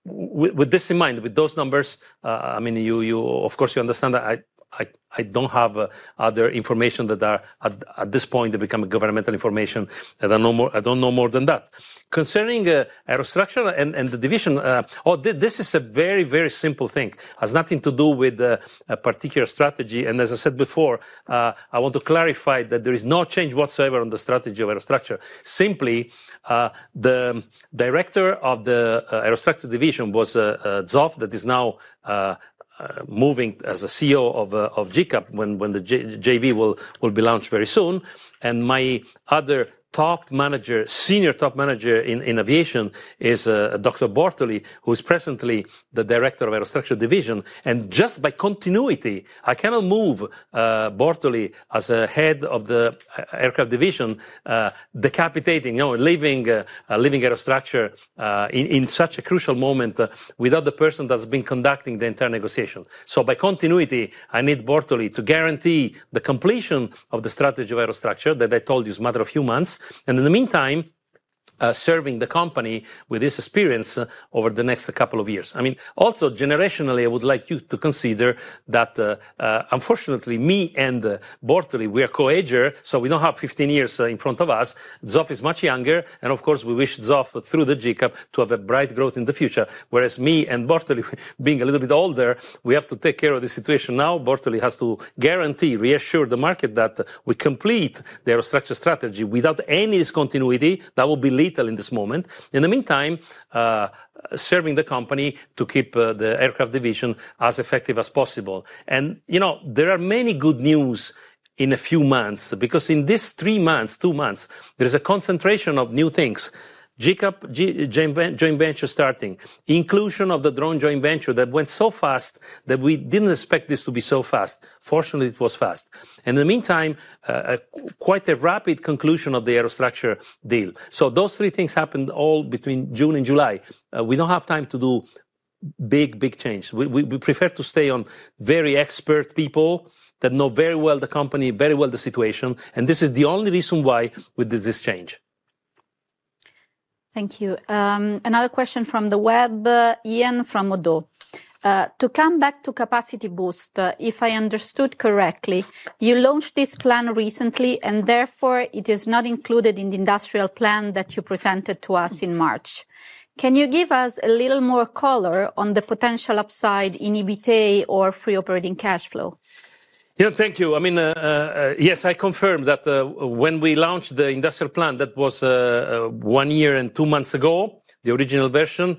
B: With this in mind, with those numbers, I mean, of course, you understand that I don't have other information that are at this point that become governmental information. I don't know more than that. Concerning aerostructures and the division, this is a very, very simple thing. It has nothing to do with a particular strategy. And as I said before, I want to clarify that there is no change whatsoever on the strategy of Aerostructures. Simply, the director of Aerostructures Division was Zoff, that is now moving as a CEO of GCAP when the JV will be launched very soon. And my other top manager, senior top manager in aviation, is Dr. Bortoli, who is presently the director Aerostructures Division. and just by continuity, I cannot move Bortoli as a head of the Aircraft Division, decapitating, leaving Aerostructures in such a crucial moment without the person that's been conducting the entire negotiation. So by continuity, I need Bortoli to guarantee the completion of the strategy of Aerostructures that I told you is a matter of few months. And in the meantime, serving the company with this experience over the next couple of years. I mean, also generationally, I would like you to consider that, unfortunately, me and Bortoli, we are co-agers, so we don't have 15 years in front of us. Zoff is much younger, and of course, we wish Zoff through the GCAP to have a bright growth in the future. Whereas me and Bortoli, being a little bit older, we have to take care of the situation now. Bortoli has to guarantee, reassure the market that we complete the aerostructures strategy without any discontinuity. That will be lethal in this moment. In the meantime, serving the company to keep the aircraft division as effective as possible. There are many good news in a few months because in these three months, two months, there is a concentration of new things. GCAP joint venture starting, inclusion of the drone joint venture that went so fast that we didn't expect this to be so fast. Fortunately, it was fast. And in the meantime, quite a rapid conclusion of the aerostructure deal. So those three things happened all between June and July. We don't have time to do big, big changes. We prefer to stay on very expert people that know very well the company, very well the situation. And this is the only reason why we did this change.
A: Thank you. Another question from the web, Yan from Oddo BHF. To come back to Capacity Boost, if I understood correctly, you launched this plan recently, and therefore it is not included in the industrial plan that you presented to us in March. Can you give us a little more color on the potential upside in EBITDA or free operating cash flow?
B: Yeah, thank you. I mean, yes, I confirm that when we launched the industrial plan, that was one year and two months ago, the original version.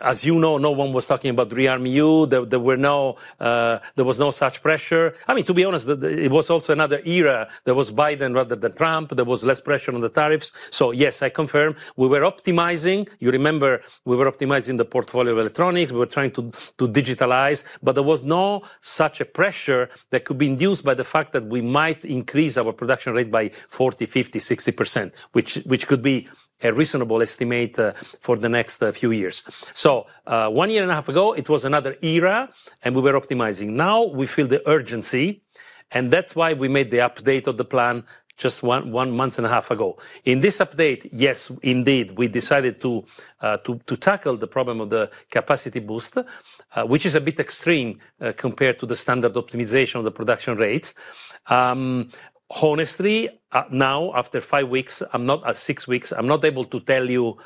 B: As you know, no one was talking about rearming Europe. There was no such pressure. I mean, to be honest, it was also another era. There was Biden rather than Trump. There was less pressure on the tariffs. So yes, I confirm we were optimizing. You remember we were optimizing the portfolio of electronics. We were trying to digitalize, but there was no such a pressure that could be induced by the fact that we might increase our production rate by 40%, 50%, 60%, which could be a reasonable estimate for the next few years. So one year and a half ago, it was another era, and we were optimizing. Now we feel the urgency, and that's why we made the update of the plan just one month and a half ago. In this update, yes, indeed, we decided to tackle the problem of the capacity boost, which is a bit extreme compared to the standard optimization of the production rates. Honestly, now after five weeks, I'm not at six weeks, I'm not able to tell you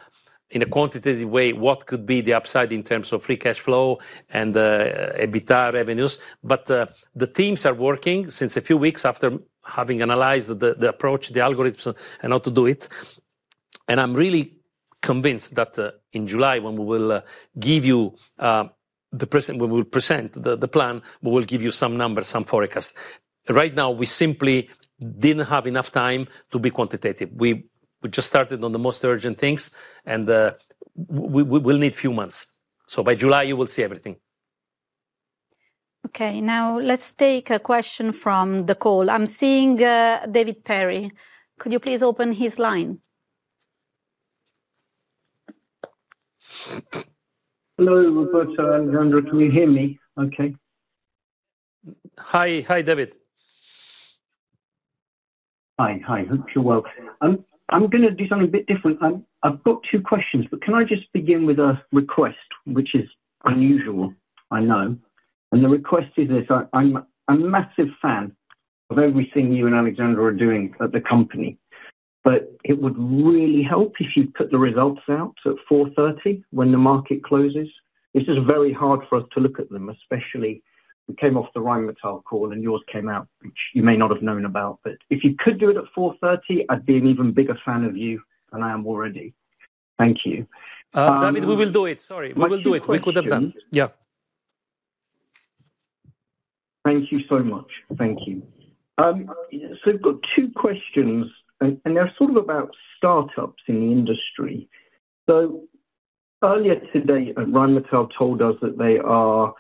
B: in a quantitative way what could be the upside in terms of free cash flow and EBITDA revenues. But the teams are working since a few weeks after having analyzed the approach, the algorithms, and how to do it. And I'm really convinced that in July, when we will give you the presentation, when we will present the plan, we will give you some numbers, some forecasts. Right now, we simply didn't have enough time to be quantitative. We just started on the most urgent things, and we will need a few months. So by July, you will see everything. Okay, now let's take a question from the call. I'm seeing David Perry. Could you please open his line?
D: Hello, Roberto, Alessandra. Can you hear me? Okay.
B: Hi, David.
D: Hi, hi. I hope you're well. I'm going to do something a bit different. I've got two questions, but can I just begin with a request, which is unusual, I know. And the request is this: I'm a massive fan of everything you and Alessandra are doing at the company, but it would really help if you put the results out at 4:30 P.M. when the market closes. This is very hard for us to look at them, especially we came off the Rheinmetall call and yours came out, which you may not have known about. But if you could do it at 4:30, I'd be an even bigger fan of you than I am already. Thank you.
B: David, we will do it. Sorry, we will do it. We could have done. Yeah.
D: Thank you so much. Thank you. So we've got two questions, and they're sort of about startups in the industry. So earlier today, Rheinmetall told us that they are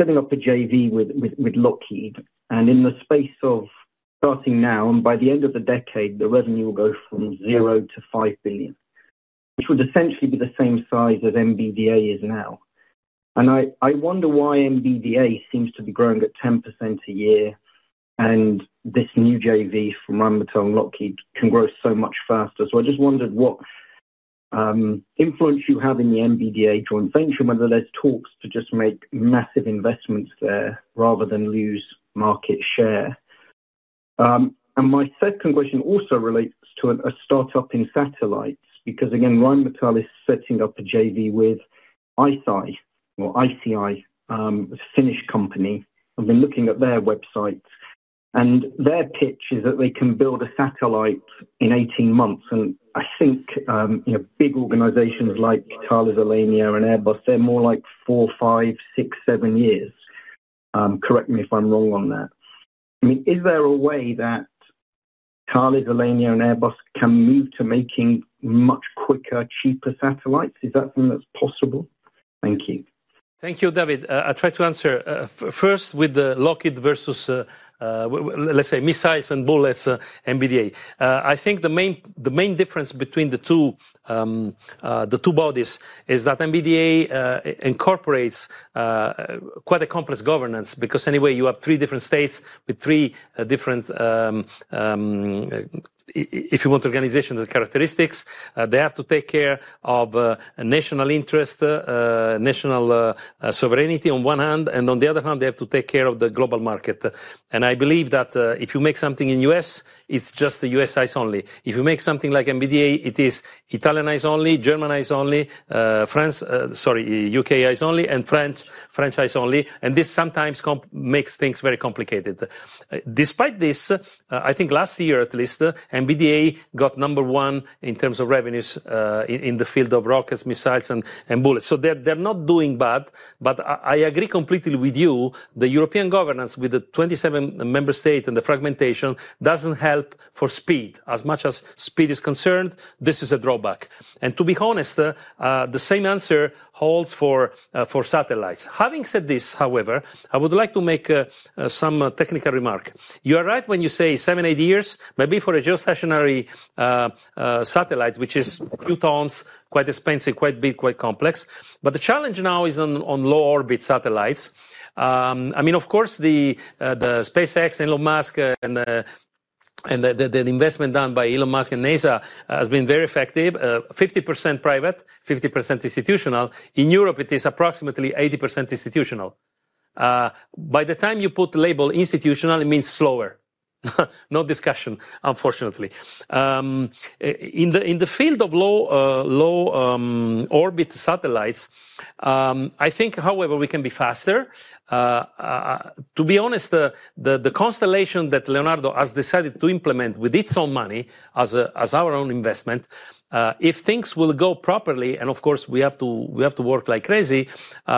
D: setting up a JV with Lockheed. And in the space of starting now, and by the end of the decade, the revenue will go from zero to 5 billion, which would essentially be the same size as MBDA is now. And I wonder why MBDA seems to be growing at 10% a year, and this new JV from Rheinmetall and Lockheed can grow so much faster. So I just wondered what influence you have in the MBDA joint venture, whether there's talks to just make massive investments there rather than lose market share. And my second question also relates to a startup in satellites because, again, Rheinmetall is setting up a JV with ICEYE, or ICEYE, a Finnish company. I've been looking at their websites, and their pitch is that they can build a satellite in 18 months. And I think big organizations like Thales Alenia and Airbus, they're more like four, five, six, seven years. Correct me if I'm wrong on that. I mean, is there a way that Thales Alenia and Airbus can move to making much quicker, cheaper satellites? Is that something that's possible? Thank you.
B: Thank you, David. I'll try to answer first with the Lockheed versus, let's say, missiles and bullets, MBDA. I think the main difference between the two bodies is that MBDA incorporates quite a complex governance because anyway, you have three different states with three different, if you want, organizational characteristics. They have to take care of national interest, national sovereignty on one hand, and on the other hand, they have to take care of the global market. And I believe that if you make something in the U.S., it's just the U.S. eyes only. If you make something like MBDA, it is Italian eyes only, German eyes only, France, sorry, U.K. eyes only, and French eyes only. And this sometimes makes things very complicated. Despite this, I think last year at least, MBDA got number one in terms of revenues in the field of rockets, missiles, and bullets. So they're not doing bad, but I agree completely with you. The European governance with the 27 member states and the fragmentation doesn't help for speed. As far as speed is concerned, this is a drawback. And to be honest, the same answer holds for satellites. Having said this, however, I would like to make some technical remark. You are right when you say seven, eight years, maybe for a geostationary satellite, which is a few tons, quite expensive, quite big, quite complex. But the challenge now is on low orbit satellites. I mean, of course, the SpaceX, Elon Musk, and the investment done by Elon Musk and NASA has been very effective. 50% private, 50% institutional. In Europe, it is approximately 80% institutional. By the time you put the label institutional, it means slower. No discussion, unfortunately. In the field of low orbit satellites, I think, however, we can be faster. To be honest, the constellation that Leonardo has decided to implement with its own money as our own investment, if things will go properly, and of course, we have to work like crazy,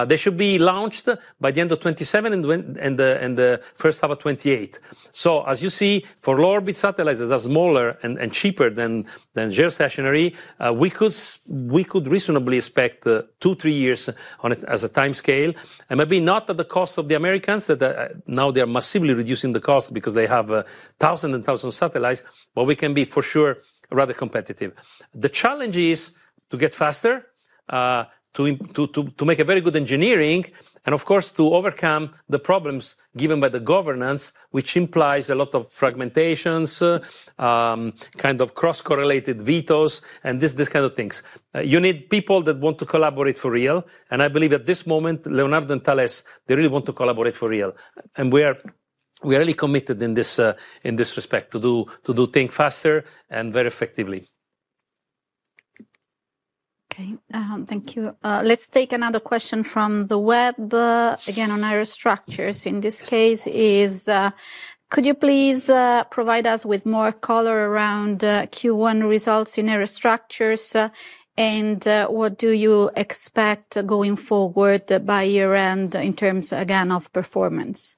B: they should be launched by the end of 2027 and the first half of 2028. So as you see, for low orbit satellites, that are smaller and cheaper than geostationary, we could reasonably expect two, three years on it as a time scale. And maybe not at the cost of the Americans, that now they are massively reducing the cost because they have thousands and thousands of satellites, but we can be for sure rather competitive. The challenge is to get faster, to make a very good engineering, and of course, to overcome the problems given by the governance, which implies a lot of fragmentations, kind of cross-correlated vetoes, and these kinds of things. You need people that want to collaborate for real. And I believe at this moment, Leonardo and Thales, they really want to collaborate for real. And we are really committed in this respect to do things faster and very effectively.
A: Okay, thank you. Let's take another question from the web, again, on aerostructures. In this case, could you please provide us with more color around Q1 results in aerostructures? And what do you expect going forward by year-end in terms, again, of performance?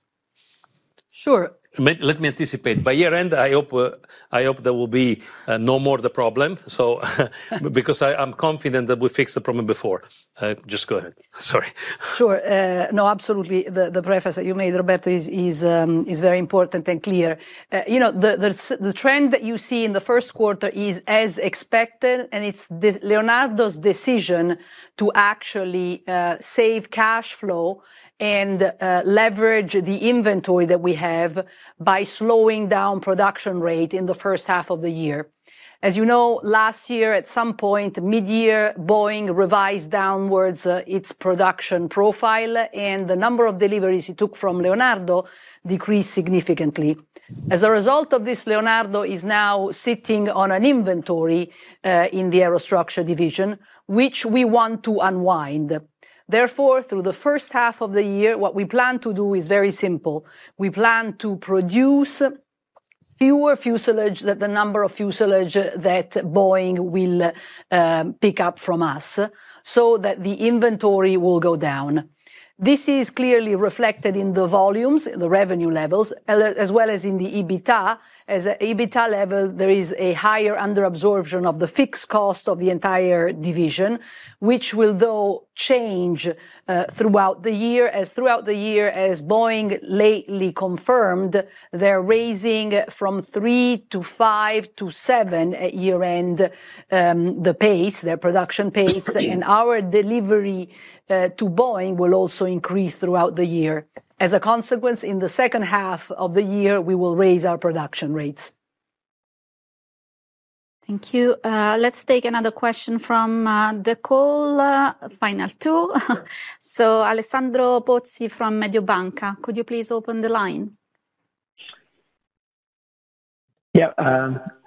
B: Sure. Let me anticipate. By year-end, I hope there will be no more of the problem, because I'm confident that we fixed the problem before. Just go ahead. Sorry.
C: Sure. No, absolutely. The preface that you made, Roberto, is very important and clear. The trend that you see in the first quarter is as expected, and it's Leonardo's decision to actually save cash flow and leverage the inventory that we have by slowing down production rate in the first half of the year. As you know, last year, at some point, mid-year, Boeing revised downwards its production profile, and the number of deliveries it took from Leonardo decreased significantly. As a result of this, Leonardo is now sitting on an inventory in Aerostructures Division, which we want to unwind. Therefore, through the first half of the year, what we plan to do is very simple. We plan to produce fewer fuselages, the number of fuselages that Boeing will pick up from us, so that the inventory will go down. This is clearly reflected in the volumes, the revenue levels, as well as in the EBITDA. At EBITDA level, there is a higher underabsorption of the fixed cost of the entire division, which will, though, change throughout the year. Throughout the year, as Boeing lately confirmed, they're raising from three to five to seven at year-end the pace, their production pace. Our delivery to Boeing will also increase throughout the year. As a consequence, in the second half of the year, we will raise our production rates.
A: Thank you. Let's take another question from the call, final two. So Alessandro Pozzi from Mediobanca, could you please open the line?
E: Yeah,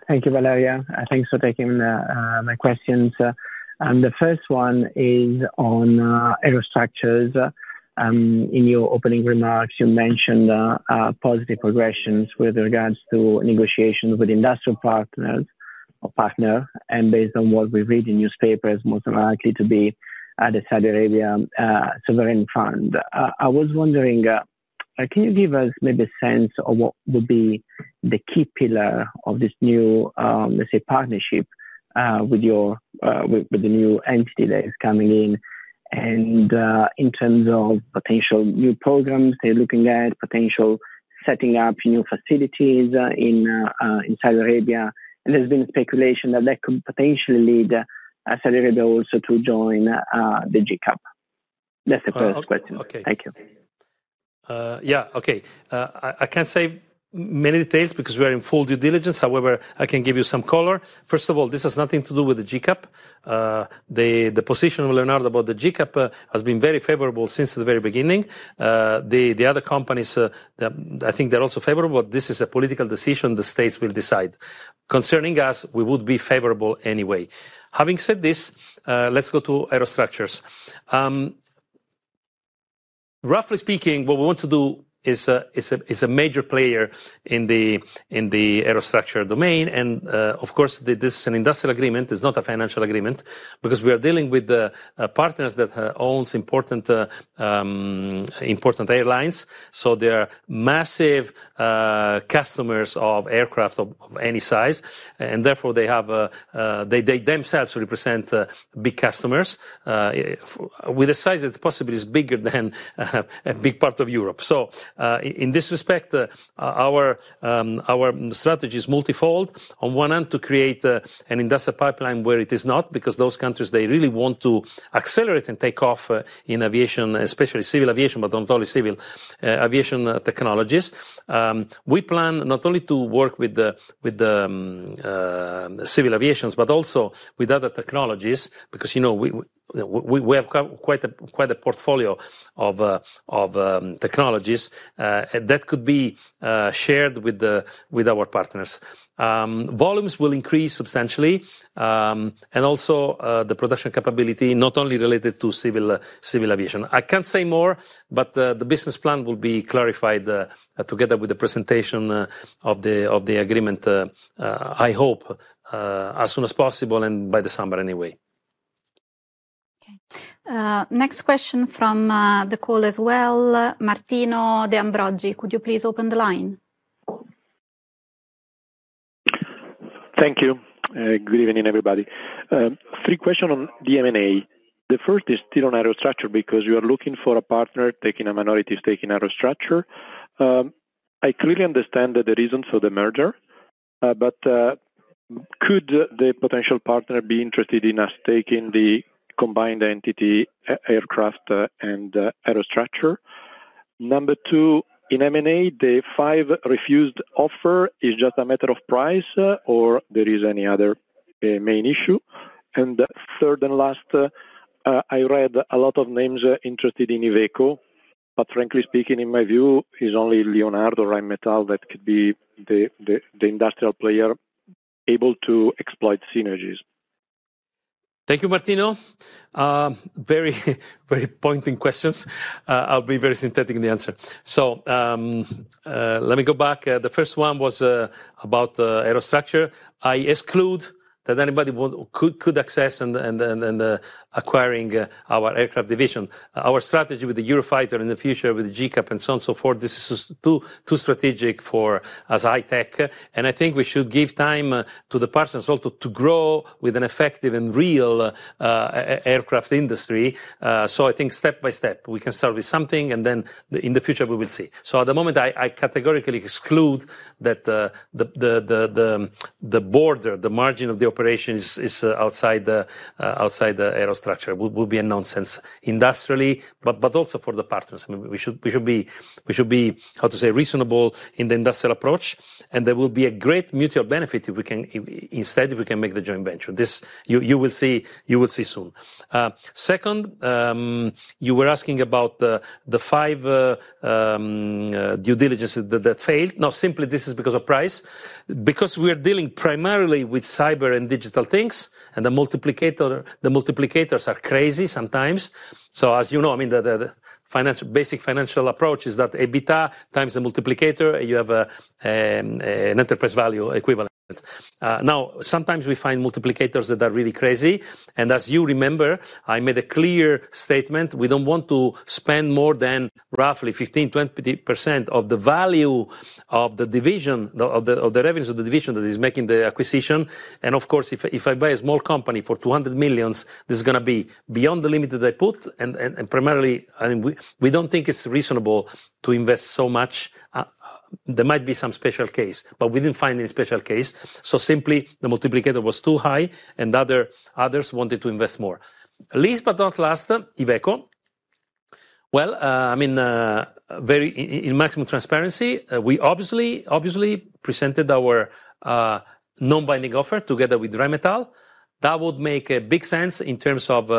E: thank you, Valeria. Thanks for taking my questions. The first one is on aerostructures. In your opening remarks, you mentioned positive progressions with regards to negotiations with industrial partners or partners, and based on what we read in newspapers, most likely to be the Saudi Arabia Sovereign Fund. I was wondering, can you give us maybe a sense of what would be the key pillar of this new, let's say, partnership with the new entity that is coming in, and in terms of potential new programs, they're looking at potential setting up new facilities in Saudi Arabia, and there's been speculation that that could potentially lead Saudi Arabia also to join the GCAP. That's the first question. Thank you.
B: Yeah, okay. I can't say many details because we are in full due diligence. However, I can give you some color. First of all, this has nothing to do with the GCAP. The position of Leonardo about the GCAP has been very favorable since the very beginning. The other companies, I think they're also favorable, but this is a political decision. The states will decide. Concerning us, we would be favorable anyway. Having said this, let's go to Aerostructures. Roughly speaking, what we want to do is a major player in the aerostructures domain, and of course, this is an industrial agreement. It's not a financial agreement because we are dealing with partners that own important airlines, so they are massive customers of aircraft of any size, and therefore, they themselves represent big customers with a size that possibly is bigger than a big part of Europe. So in this respect, our strategy is multifold, on one hand, to create an industrial pipeline where it is not, because those countries, they really want to accelerate and take off in aviation, especially civil aviation, but not only civil aviation technologies. We plan not only to work with civil aviation, but also with other technologies, because we have quite a portfolio of technologies that could be shared with our partners. Volumes will increase substantially, and also the production capability, not only related to civil aviation. I can't say more, but the business plan will be clarified together with the presentation of the agreement, I hope, as soon as possible and by the summer anyway.
A: Okay. Next question from the call as well. Martino De Ambrogi, could you please open the line?
F: Thank you. Good evening, everybody. Three questions on M&A. The first is still on aerostructure because you are looking for a partner taking a minority stake in aerostructure. I clearly understand the reasons for the merger, but could the potential partner be interested in us taking the combined entity, aircraft and aerostructure? Number two, in M&A, the aforementioned refused offer is just a matter of price, or there is any other main issue? Third and last, I read a lot of names interested in Iveco, but frankly speaking, in my view, it's only Leonardo or Rheinmetall that could be the industrial player able to exploit synergies.
B: Thank you, Martino. Very pointed questions. I'll be very succinct in the answer. So let me go back. The first one was about aerostructure. I exclude that anybody could access and acquiring our aircraft division. Our strategy with the Eurofighter in the future, with the GCAP and so on and so forth, this is too strategic for us high-tech. I think we should give time to the partners also to grow with an effective and real aircraft industry. I think step by step, we can start with something, and then in the future, we will see. At the moment, I categorically exclude that the perimeter, the margin of the operation is outside the aerostructures. It would be a nonsense industrially, but also for the partners. We should be, how to say, reasonable in the industrial approach, and there will be a great mutual benefit instead if we can make the joint venture. You will see soon. Second, you were asking about the five due diligences that failed. No, simply this is because of price. Because we are dealing primarily with cyber and digital things, and the multiples are crazy sometimes. So as you know, I mean, the basic financial approach is that EBITDA times the multiple, you have an enterprise value equivalent. Now, sometimes we find multiples that are really crazy. And as you remember, I made a clear statement. We don't want to spend more than roughly 15%-20% of the value of the revenues of the division that is making the acquisition, and of course, if I buy a small company for 200 million, this is going to be beyond the limit that I put, and primarily, we don't think it's reasonable to invest so much. There might be some special case, but we didn't find any special case, so simply, the multiplier was too high, and others wanted to invest more. Last but not least, Iveco, well, I mean, in maximum transparency, we obviously presented our non-binding offer together with Rheinmetall. That would make big sense in terms of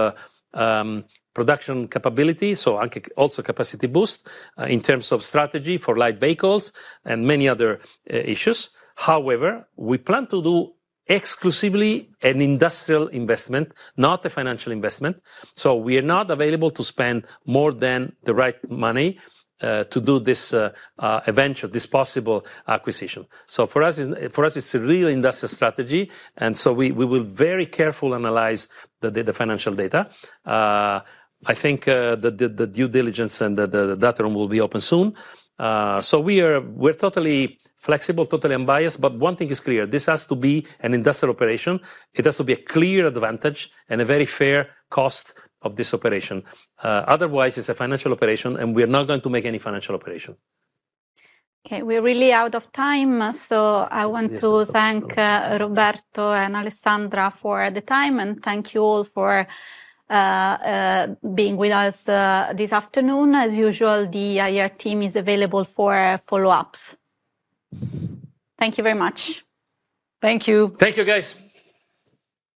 B: production capability, so also capacity boost in terms of strategy for light vehicles and many other issues. However, we plan to do exclusively an industrial investment, not a financial investment. We are not available to spend more than the right money to do this eventual, this possible acquisition. So for us, it's a real industrial strategy. And so we will very carefully analyze the financial data. I think the due diligence and the data room will be open soon. So we're totally flexible, totally unbiased. But one thing is clear. This has to be an industrial operation. It has to be a clear advantage and a very fair cost of this operation. Otherwise, it's a financial operation, and we are not going to make any financial operation.
A: Okay, we're really out of time. So I want to thank Roberto and Alessandra for the time, and thank you all for being with us this afternoon. As usual, the IR team is available for follow-ups. Thank you very much.
B: Thank you. Thank you, guys.